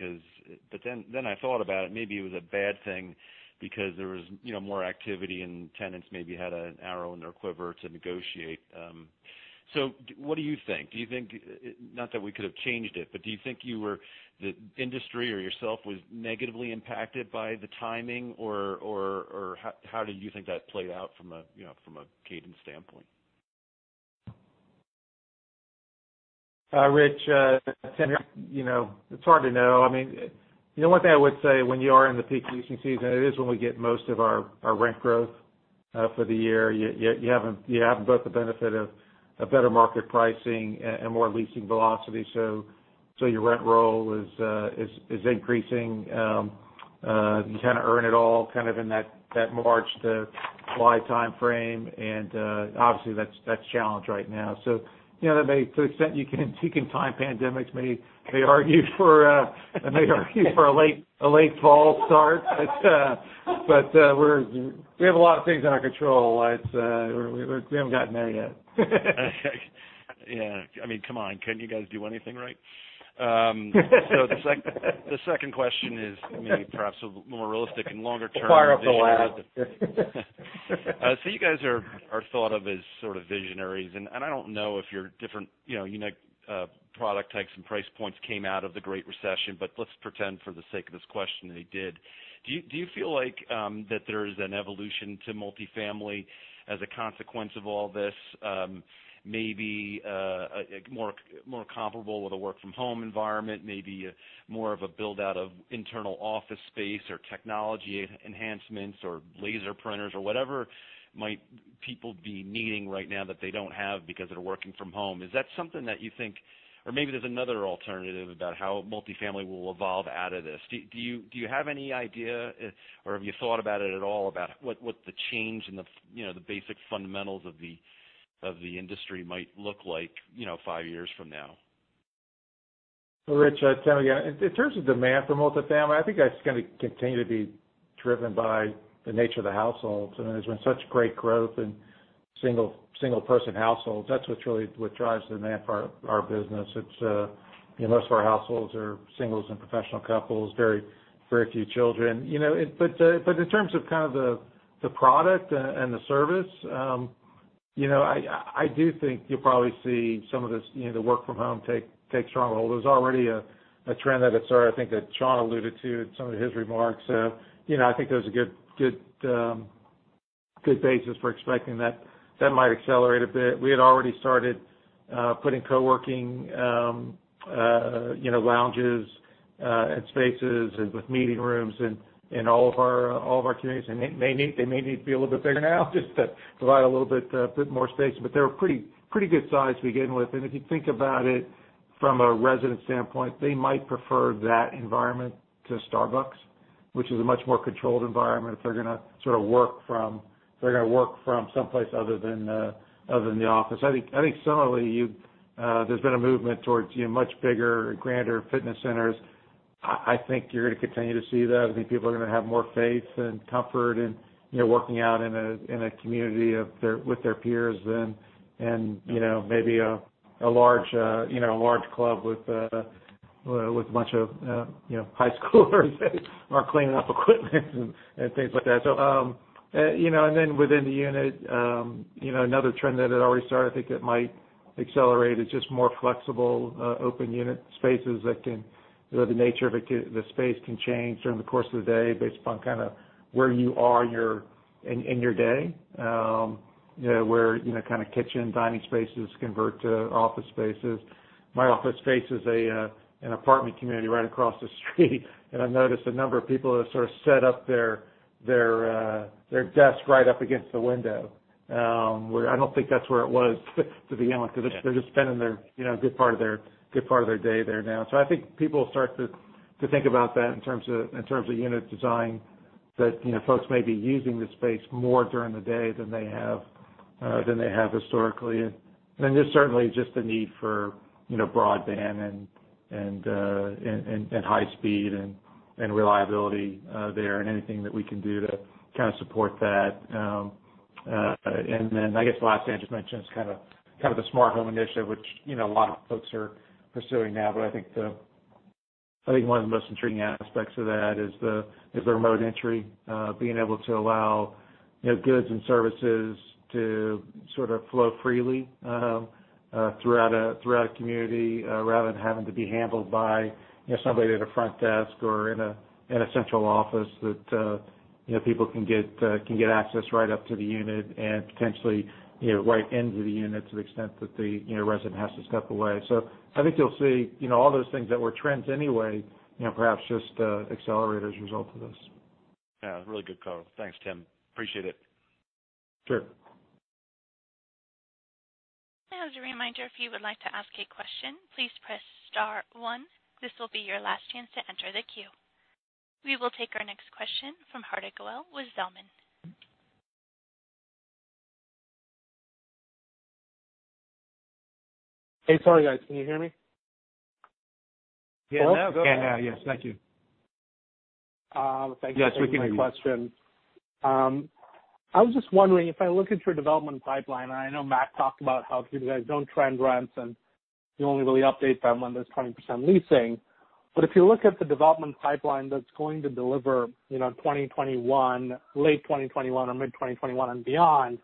I thought about it, maybe it was a bad thing because there was more activity and tenants maybe had an arrow in their quiver to negotiate. What do you think? Not that we could've changed it, do you think the industry or yourself was negatively impacted by the timing, or how do you think that played out from a cadence standpoint? Rich, Tim here. It's hard to know. The one thing I would say, when you are in the peak leasing season, it is when we get most of our rent growth for the year. You have both the benefit of better market pricing and more leasing velocity, your rent roll is increasing. You kind of earn it all kind of in that March to July timeframe, obviously that's challenged right now. To the extent you can time pandemics, I may argue for a late fall start. We have a lot of things out of our control. We haven't gotten there yet. Yeah. Come on, can't you guys do anything right? The second question is maybe perhaps a more realistic and longer-term vision. We'll fire up the lab. You guys are thought of as sort of visionaries, and I don't know if your different unique product types and price points came out of the Great Recession, but let's pretend for the sake of this question they did. Do you feel like that there is an evolution to multifamily as a consequence of all this? Maybe more comparable with a work-from-home environment, maybe more of a build-out of internal office space or technology enhancements or laser printers or whatever might people be needing right now that they don't have because they're working from home. Is that something that you think, or maybe there's another alternative about how multifamily will evolve out of this? Do you have any idea, or have you thought about it at all about what the change in the basic fundamentals of the industry might look like five years from now? Rich, Tim again. In terms of demand for multifamily, I think that's going to continue to be driven by the nature of the households. There's been such great growth in single-person households. That's what really what drives demand for our business. Most of our households are singles and professional couples, very few children. In terms of kind of the product and the service, I do think you'll probably see some of this work from home take strong hold. There's already a trend that had started, I think, that Sean alluded to in some of his remarks. I think there's a good basis for expecting that that might accelerate a bit. We had already started putting coworking lounges and spaces with meeting rooms in all of our communities. They may need to be a little bit bigger now just to provide a little bit more space, but they were pretty good size to begin with. If you think about it from a resident standpoint, they might prefer that environment to Starbucks, which is a much more controlled environment if they're going to work from someplace other than the office. I think similarly, there's been a movement towards much bigger, grander fitness centers. I think you're going to continue to see that. I think people are going to have more faith and comfort in working out in a community with their peers than in maybe a large club with a bunch of high schoolers who aren't cleaning up equipment and things like that. Within the unit, another trend that had already started, I think that might accelerate, is just more flexible, open unit spaces that the nature of the space can change during the course of the day based upon kind of where you are in your day. Where kind of kitchen, dining spaces convert to office spaces. My office faces an apartment community right across the street, and I've noticed a number of people have sort of set up their desk right up against the window, where I don't think that's where it was to begin with because they're just spending a good part of their day there now. I think people will start to think about that in terms of unit design, that folks may be using the space more during the day than they have historically. Certainly, just the need for broadband and high speed and reliability there, and anything that we can do to kind of support that. I guess the last thing I just mentioned is kind of the smart home initiative, which a lot of folks are pursuing now. I think one of the most intriguing aspects of that is the remote entry. Goods and services to sort of flow freely throughout a community, rather than having to be handled by somebody at a front desk or in a central office that people can get access right up to the unit and potentially, right into the unit to the extent that the resident has to step away. I think you'll see all those things that were trends anyway, perhaps just accelerate as a result of this. Yeah, really good call. Thanks, Tim. Appreciate it. Sure. As a reminder, if you would like to ask a question, please press star one. This will be your last chance to enter the queue. We will take our next question from Hardik Goel with Zelman. Hey. Sorry, guys. Can you hear me? Yeah. Now go ahead. Yeah. Yes, thank you. Thank you for taking my question. Yes, we can hear you. I was just wondering if I look at your development pipeline, I know Matt talked about how you guys don't trend rents, and you only really update them when there's 20% leasing. If you look at the development pipeline that's going to deliver 2021, late 2021 or mid-2021 and beyond,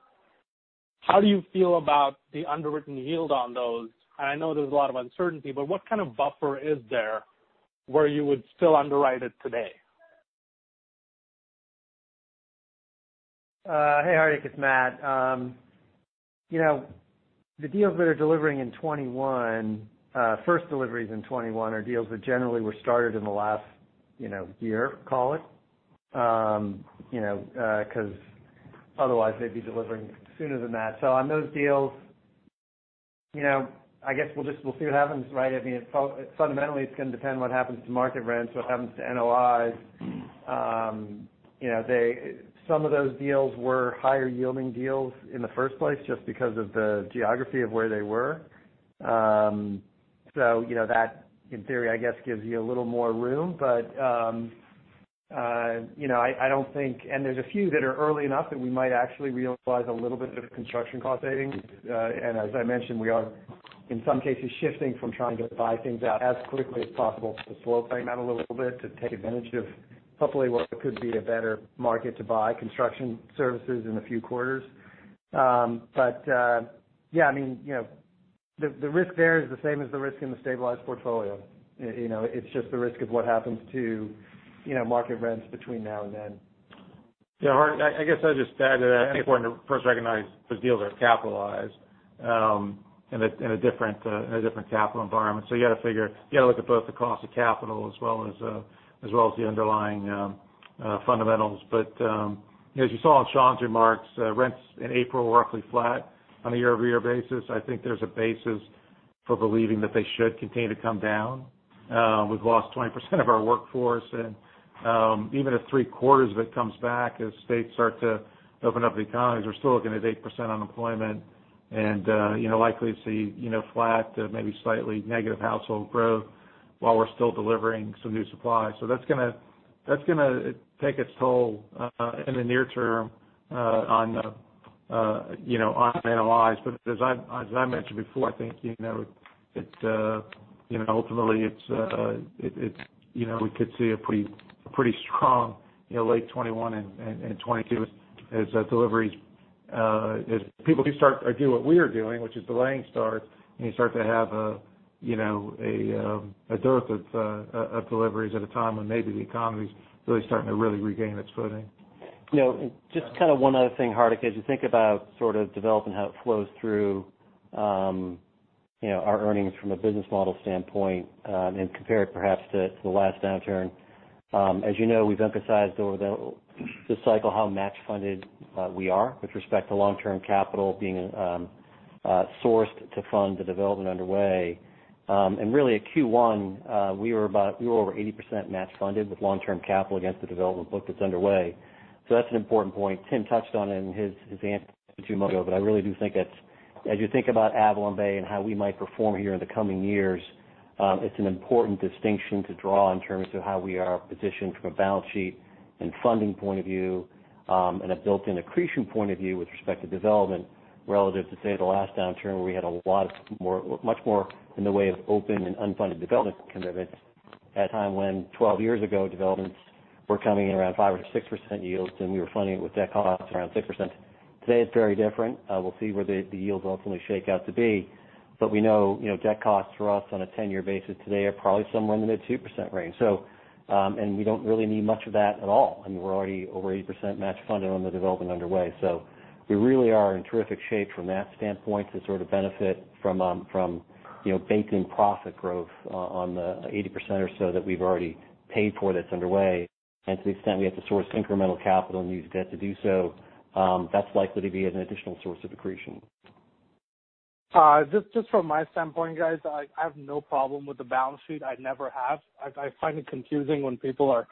how do you feel about the underwritten yield on those? I know there's a lot of uncertainty, but what kind of buffer is there where you would still underwrite it today? Hey, Hardik. It's Matt. The deals that are delivering in 2021, first deliveries in 2021 are deals that generally were started in the last year, call it. Otherwise, they'd be delivering sooner than that. On those deals, I guess we'll see what happens, right? Fundamentally, it's going to depend what happens to market rents, what happens to NOIs. Some of those deals were higher-yielding deals in the first place just because of the geography of where they were. That, in theory, I guess, gives you a little more room. There's a few that are early enough that we might actually realize a little bit of construction cost savings. As I mentioned, we are, in some cases, shifting from trying to buy things out as quickly as possible to slow things down a little bit to take advantage of hopefully what could be a better market to buy construction services in a few quarters. Yeah, the risk there is the same as the risk in the stabilized portfolio. It's just the risk of what happens to market rents between now and then. Yeah. Hardik, I guess I'd just add that I think we're in the first recognize those deals are capitalized in a different capital environment. You got to look at both the cost of capital as well as the underlying fundamentals. As you saw in Sean's remarks, rents in April were roughly flat on a year-over-year basis. I think there's a basis for believing that they should continue to come down. We've lost 20% of our workforce, and even if three-quarters of it comes back as states start to open up the economies, we're still looking at 8% unemployment and likely to see flat to maybe slightly negative household growth while we're still delivering some new supply. That's going to take its toll in the near term on NOIs. As I mentioned before, I think ultimately we could see a pretty strong late 2021 and 2022 as deliveries, if people do start or do what we are doing, which is delaying starts, and you start to have a dearth of deliveries at a time when maybe the economy's really starting to regain its footing. Just kind of one other thing, Hardik. As you think about sort of development, how it flows through our earnings from a business model standpoint and compare it perhaps to the last downturn. As you know, we've emphasized over the cycle how match-funded we are with respect to long-term capital being sourced to fund the development underway. Really at Q1, we were over 80% match-funded with long-term capital against the development book that's underway. That's an important point. Tim touched on it in his answer to Mongo. I really do think as you think about AvalonBay and how we might perform here in the coming years, it's an important distinction to draw in terms of how we are positioned from a balance sheet and funding point of view, and a built-in accretion point of view with respect to development relative to, say, the last downturn, where we had much more in the way of open and unfunded development commitments at a time when 12 years ago, developments were coming in around 5% or 6% yields, and we were funding it with debt costs around 6%. Today, it's very different. We'll see where the yields ultimately shake out to be. We know debt costs for us on a 10-year basis today are probably somewhere in the mid-2% range. We don't really need much of that at all. We're already over 80% match-funded on the development underway. We really are in terrific shape from that standpoint to sort of benefit from baked-in profit growth on the 80% or so that we've already paid for that's underway. To the extent we have to source incremental capital and use debt to do so, that's likely to be an additional source of accretion. Just from my standpoint, guys, I have no problem with the balance sheet. I never have. I find it confusing when people are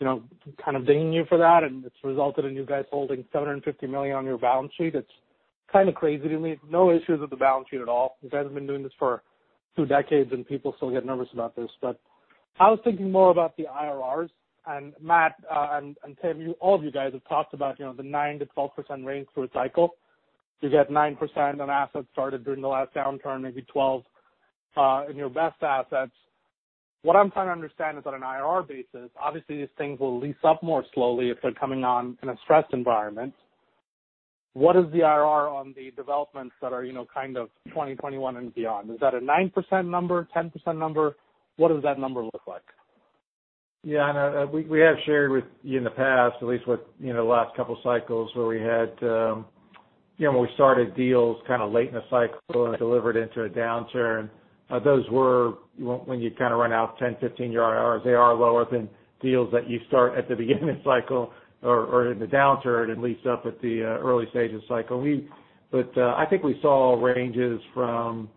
kind of dinging you for that, and it's resulted in you guys holding $750 million on your balance sheet. It's kind of crazy to me. No issues with the balance sheet at all. You guys have been doing this for two decades, and people still get nervous about this. I was thinking more about the IRRs, and Matt and Tim, all of you guys have talked about the 9%-12% range through a cycle. You get 9% on assets started during the last downturn, maybe 12% in your best assets. What I'm trying to understand is on an IRR basis, obviously these things will lease up more slowly if they're coming on in a stressed environment. What is the IRR on the developments that are kind of 2021 and beyond? Is that a 9% number, 10% number? What does that number look like? Yeah, I know. We have shared with you in the past, at least with the last couple cycles where we started deals kind of late in the cycle and delivered into a downturn. Those were when you kind of run out 10%, 15% IRRs, they are lower than deals that you start at the beginning cycle or in the downturn and lease up at the early stage of cycle. I think we saw ranges from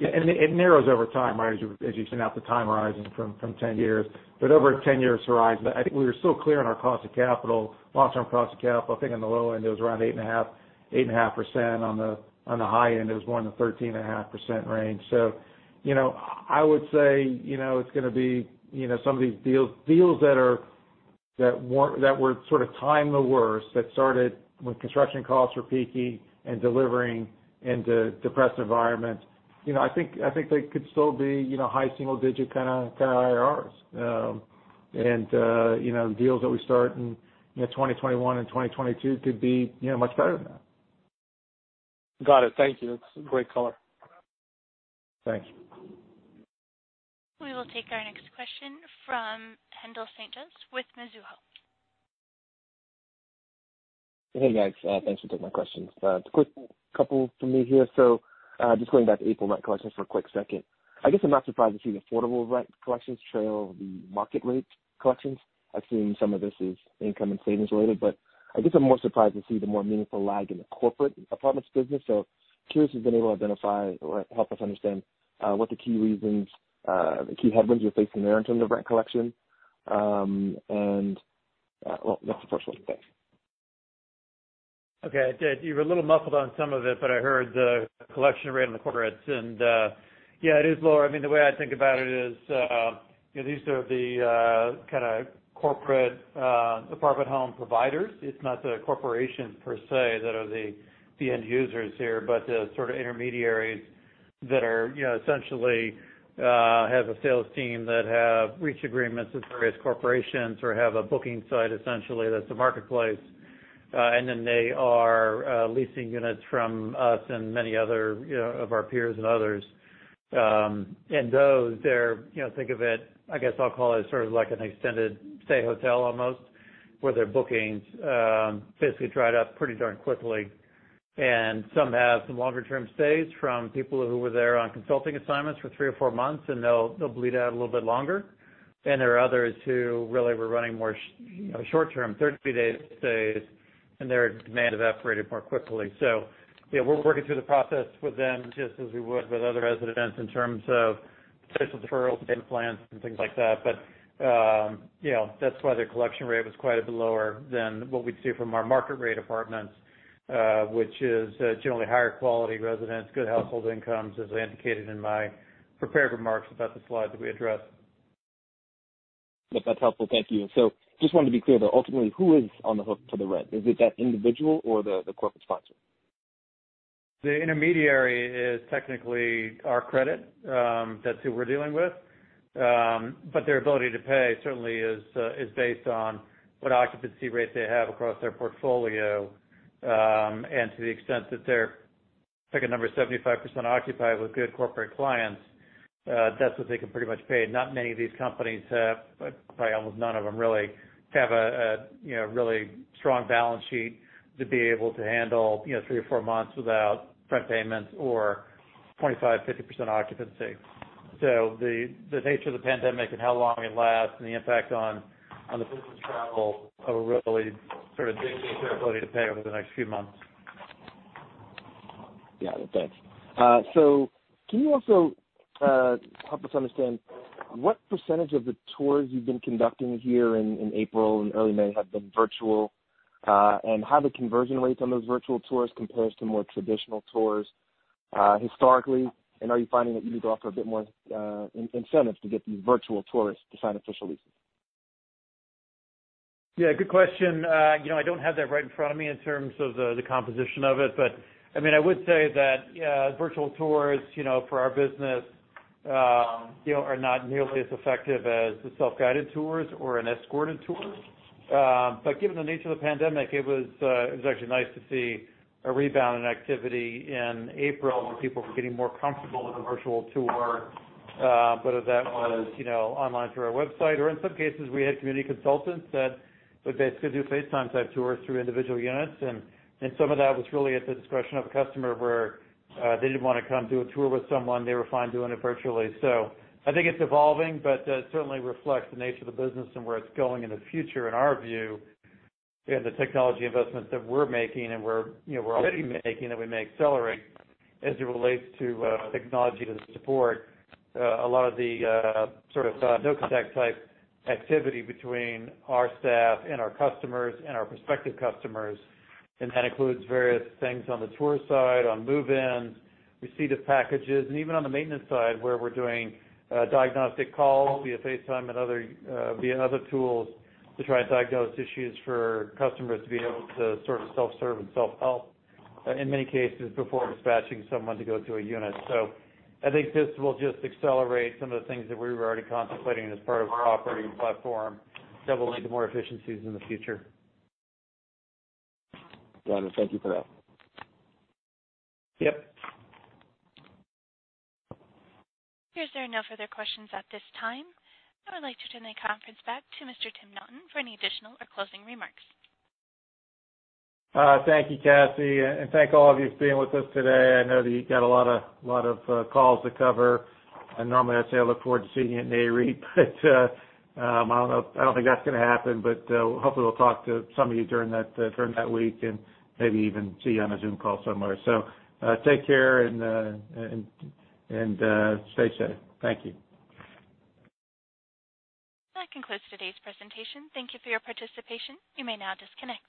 It narrows over time, as you extend out the time horizon from 10 years. Over a 10-years horizon, but I think we were still clear on our long-term cost of capital. I think on the low end, it was around 8.5%. On the high end, it was more in the 13.5% range. I would say some of these deals that were sort of timed the worst, that started when construction costs were peaking and delivering into depressive environments, I think they could still be high single digit kind of IRRs. Deals that we start in 2021 and 2022 could be much better than that. Got it. Thank you. That's great color. Thank you. We will take our next question from Haendel St. Juste with Mizuho. Hey, guys. Thanks for taking my questions. Just a quick couple from me here. Just going back to April rent collections for a quick second. I guess I'm not surprised to see the affordable rent collections trail the market rate collections. I've seen some of this is income and savings related, but I guess I'm more surprised to see the more meaningful lag in the corporate apartments business. Curious if you've been able to identify or help us understand what the key reasons, the key headwinds you're facing there in terms of rent collection. Well, that's the first one. Thanks. Okay. You were a little muffled on some of it, but I heard the collection rate on the corporates, and yeah, it is lower. The way I think about it is these are the kind of corporate apartment home providers. It's not the corporations per se that are the end users here, but the sort of intermediaries that essentially have a sales team that have reached agreements with various corporations or have a booking site, essentially, that's a marketplace. They are leasing units from us and many other of our peers and others. Those, think of it, I guess I'll call it sort of like an extended stay hotel almost, where their bookings basically dried up pretty darn quickly. Some have some longer-term stays from people who were there on consulting assignments for three or four months, and they'll bleed out a little bit longer. There are others who really were running more short-term, 30-day stays, and their demand evaporated more quickly. Yeah, we're working through the process with them just as we would with other residents in terms of potential deferrals, payment plans, and things like that. That's why their collection rate was quite a bit lower than what we'd see from our market rate apartments, which is generally higher quality residents, good household incomes, as I indicated in my prepared remarks about the slide that we addressed. Yes, that's helpful. Thank you. Just wanted to be clear though, ultimately, who is on the hook for the rent? Is it that individual or the corporate sponsor? The intermediary is technically our credit. That's who we're dealing with. Their ability to pay certainly is based on what occupancy rate they have across their portfolio. To the extent that they're, pick a number, 75% occupied with good corporate clients, that's what they can pretty much pay. Not many of these companies have, probably almost none of them really, have a really strong balance sheet to be able to handle three or four months without rent payments or 25%, 50% occupancy. The nature of the pandemic and how long it lasts and the impact on the business travel will really sort of dictate their ability to pay over the next few months. Yeah. Well, thanks. Can you also help us understand what percentage of the tours you've been conducting here in April and early May have been virtual? How the conversion rates on those virtual tours compares to more traditional tours historically? Are you finding that you need to offer a bit more incentives to get these virtual tourists to sign official leases? Yeah, good question. I don't have that right in front of me in terms of the composition of it. I would say that virtual tours for our business are not nearly as effective as the self-guided tours or an escorted tour. Given the nature of the pandemic, it was actually nice to see a rebound in activity in April when people were getting more comfortable with a virtual tour, whether that was online through our website or in some cases, we had community consultants that would basically do FaceTime-type tours through individual units. Some of that was really at the discretion of a customer where they didn't want to come do a tour with someone. They were fine doing it virtually. I think it's evolving, but certainly reflects the nature of the business and where it's going in the future in our view. The technology investments that we're making and we're already making that we may accelerate as it relates to technology to support a lot of the sort of no-contact type activity between our staff and our customers and our prospective customers. That includes various things on the tour side, on move-ins, receipt of packages, and even on the maintenance side where we're doing diagnostic calls via FaceTime and via other tools to try and diagnose issues for customers to be able to sort of self-serve and self-help in many cases before dispatching someone to go to a unit. I think this will just accelerate some of the things that we were already contemplating as part of our operating platform that will lead to more efficiencies in the future. Got it. Thank you for that. Yep. There are no further questions at this time. I would like to turn the conference back to Mr. Tim Naughton for any additional or closing remarks. Thank you, Kathy. Thank all of you for being with us today. I know that you've got a lot of calls to cover. Normally I'd say I look forward to seeing you at NAREIT, but I don't think that's going to happen. Hopefully we'll talk to some of you during that week and maybe even see you on a Zoom call somewhere. Take care and stay safe. Thank you. That concludes today's presentation. Thank you for your participation. You may now disconnect.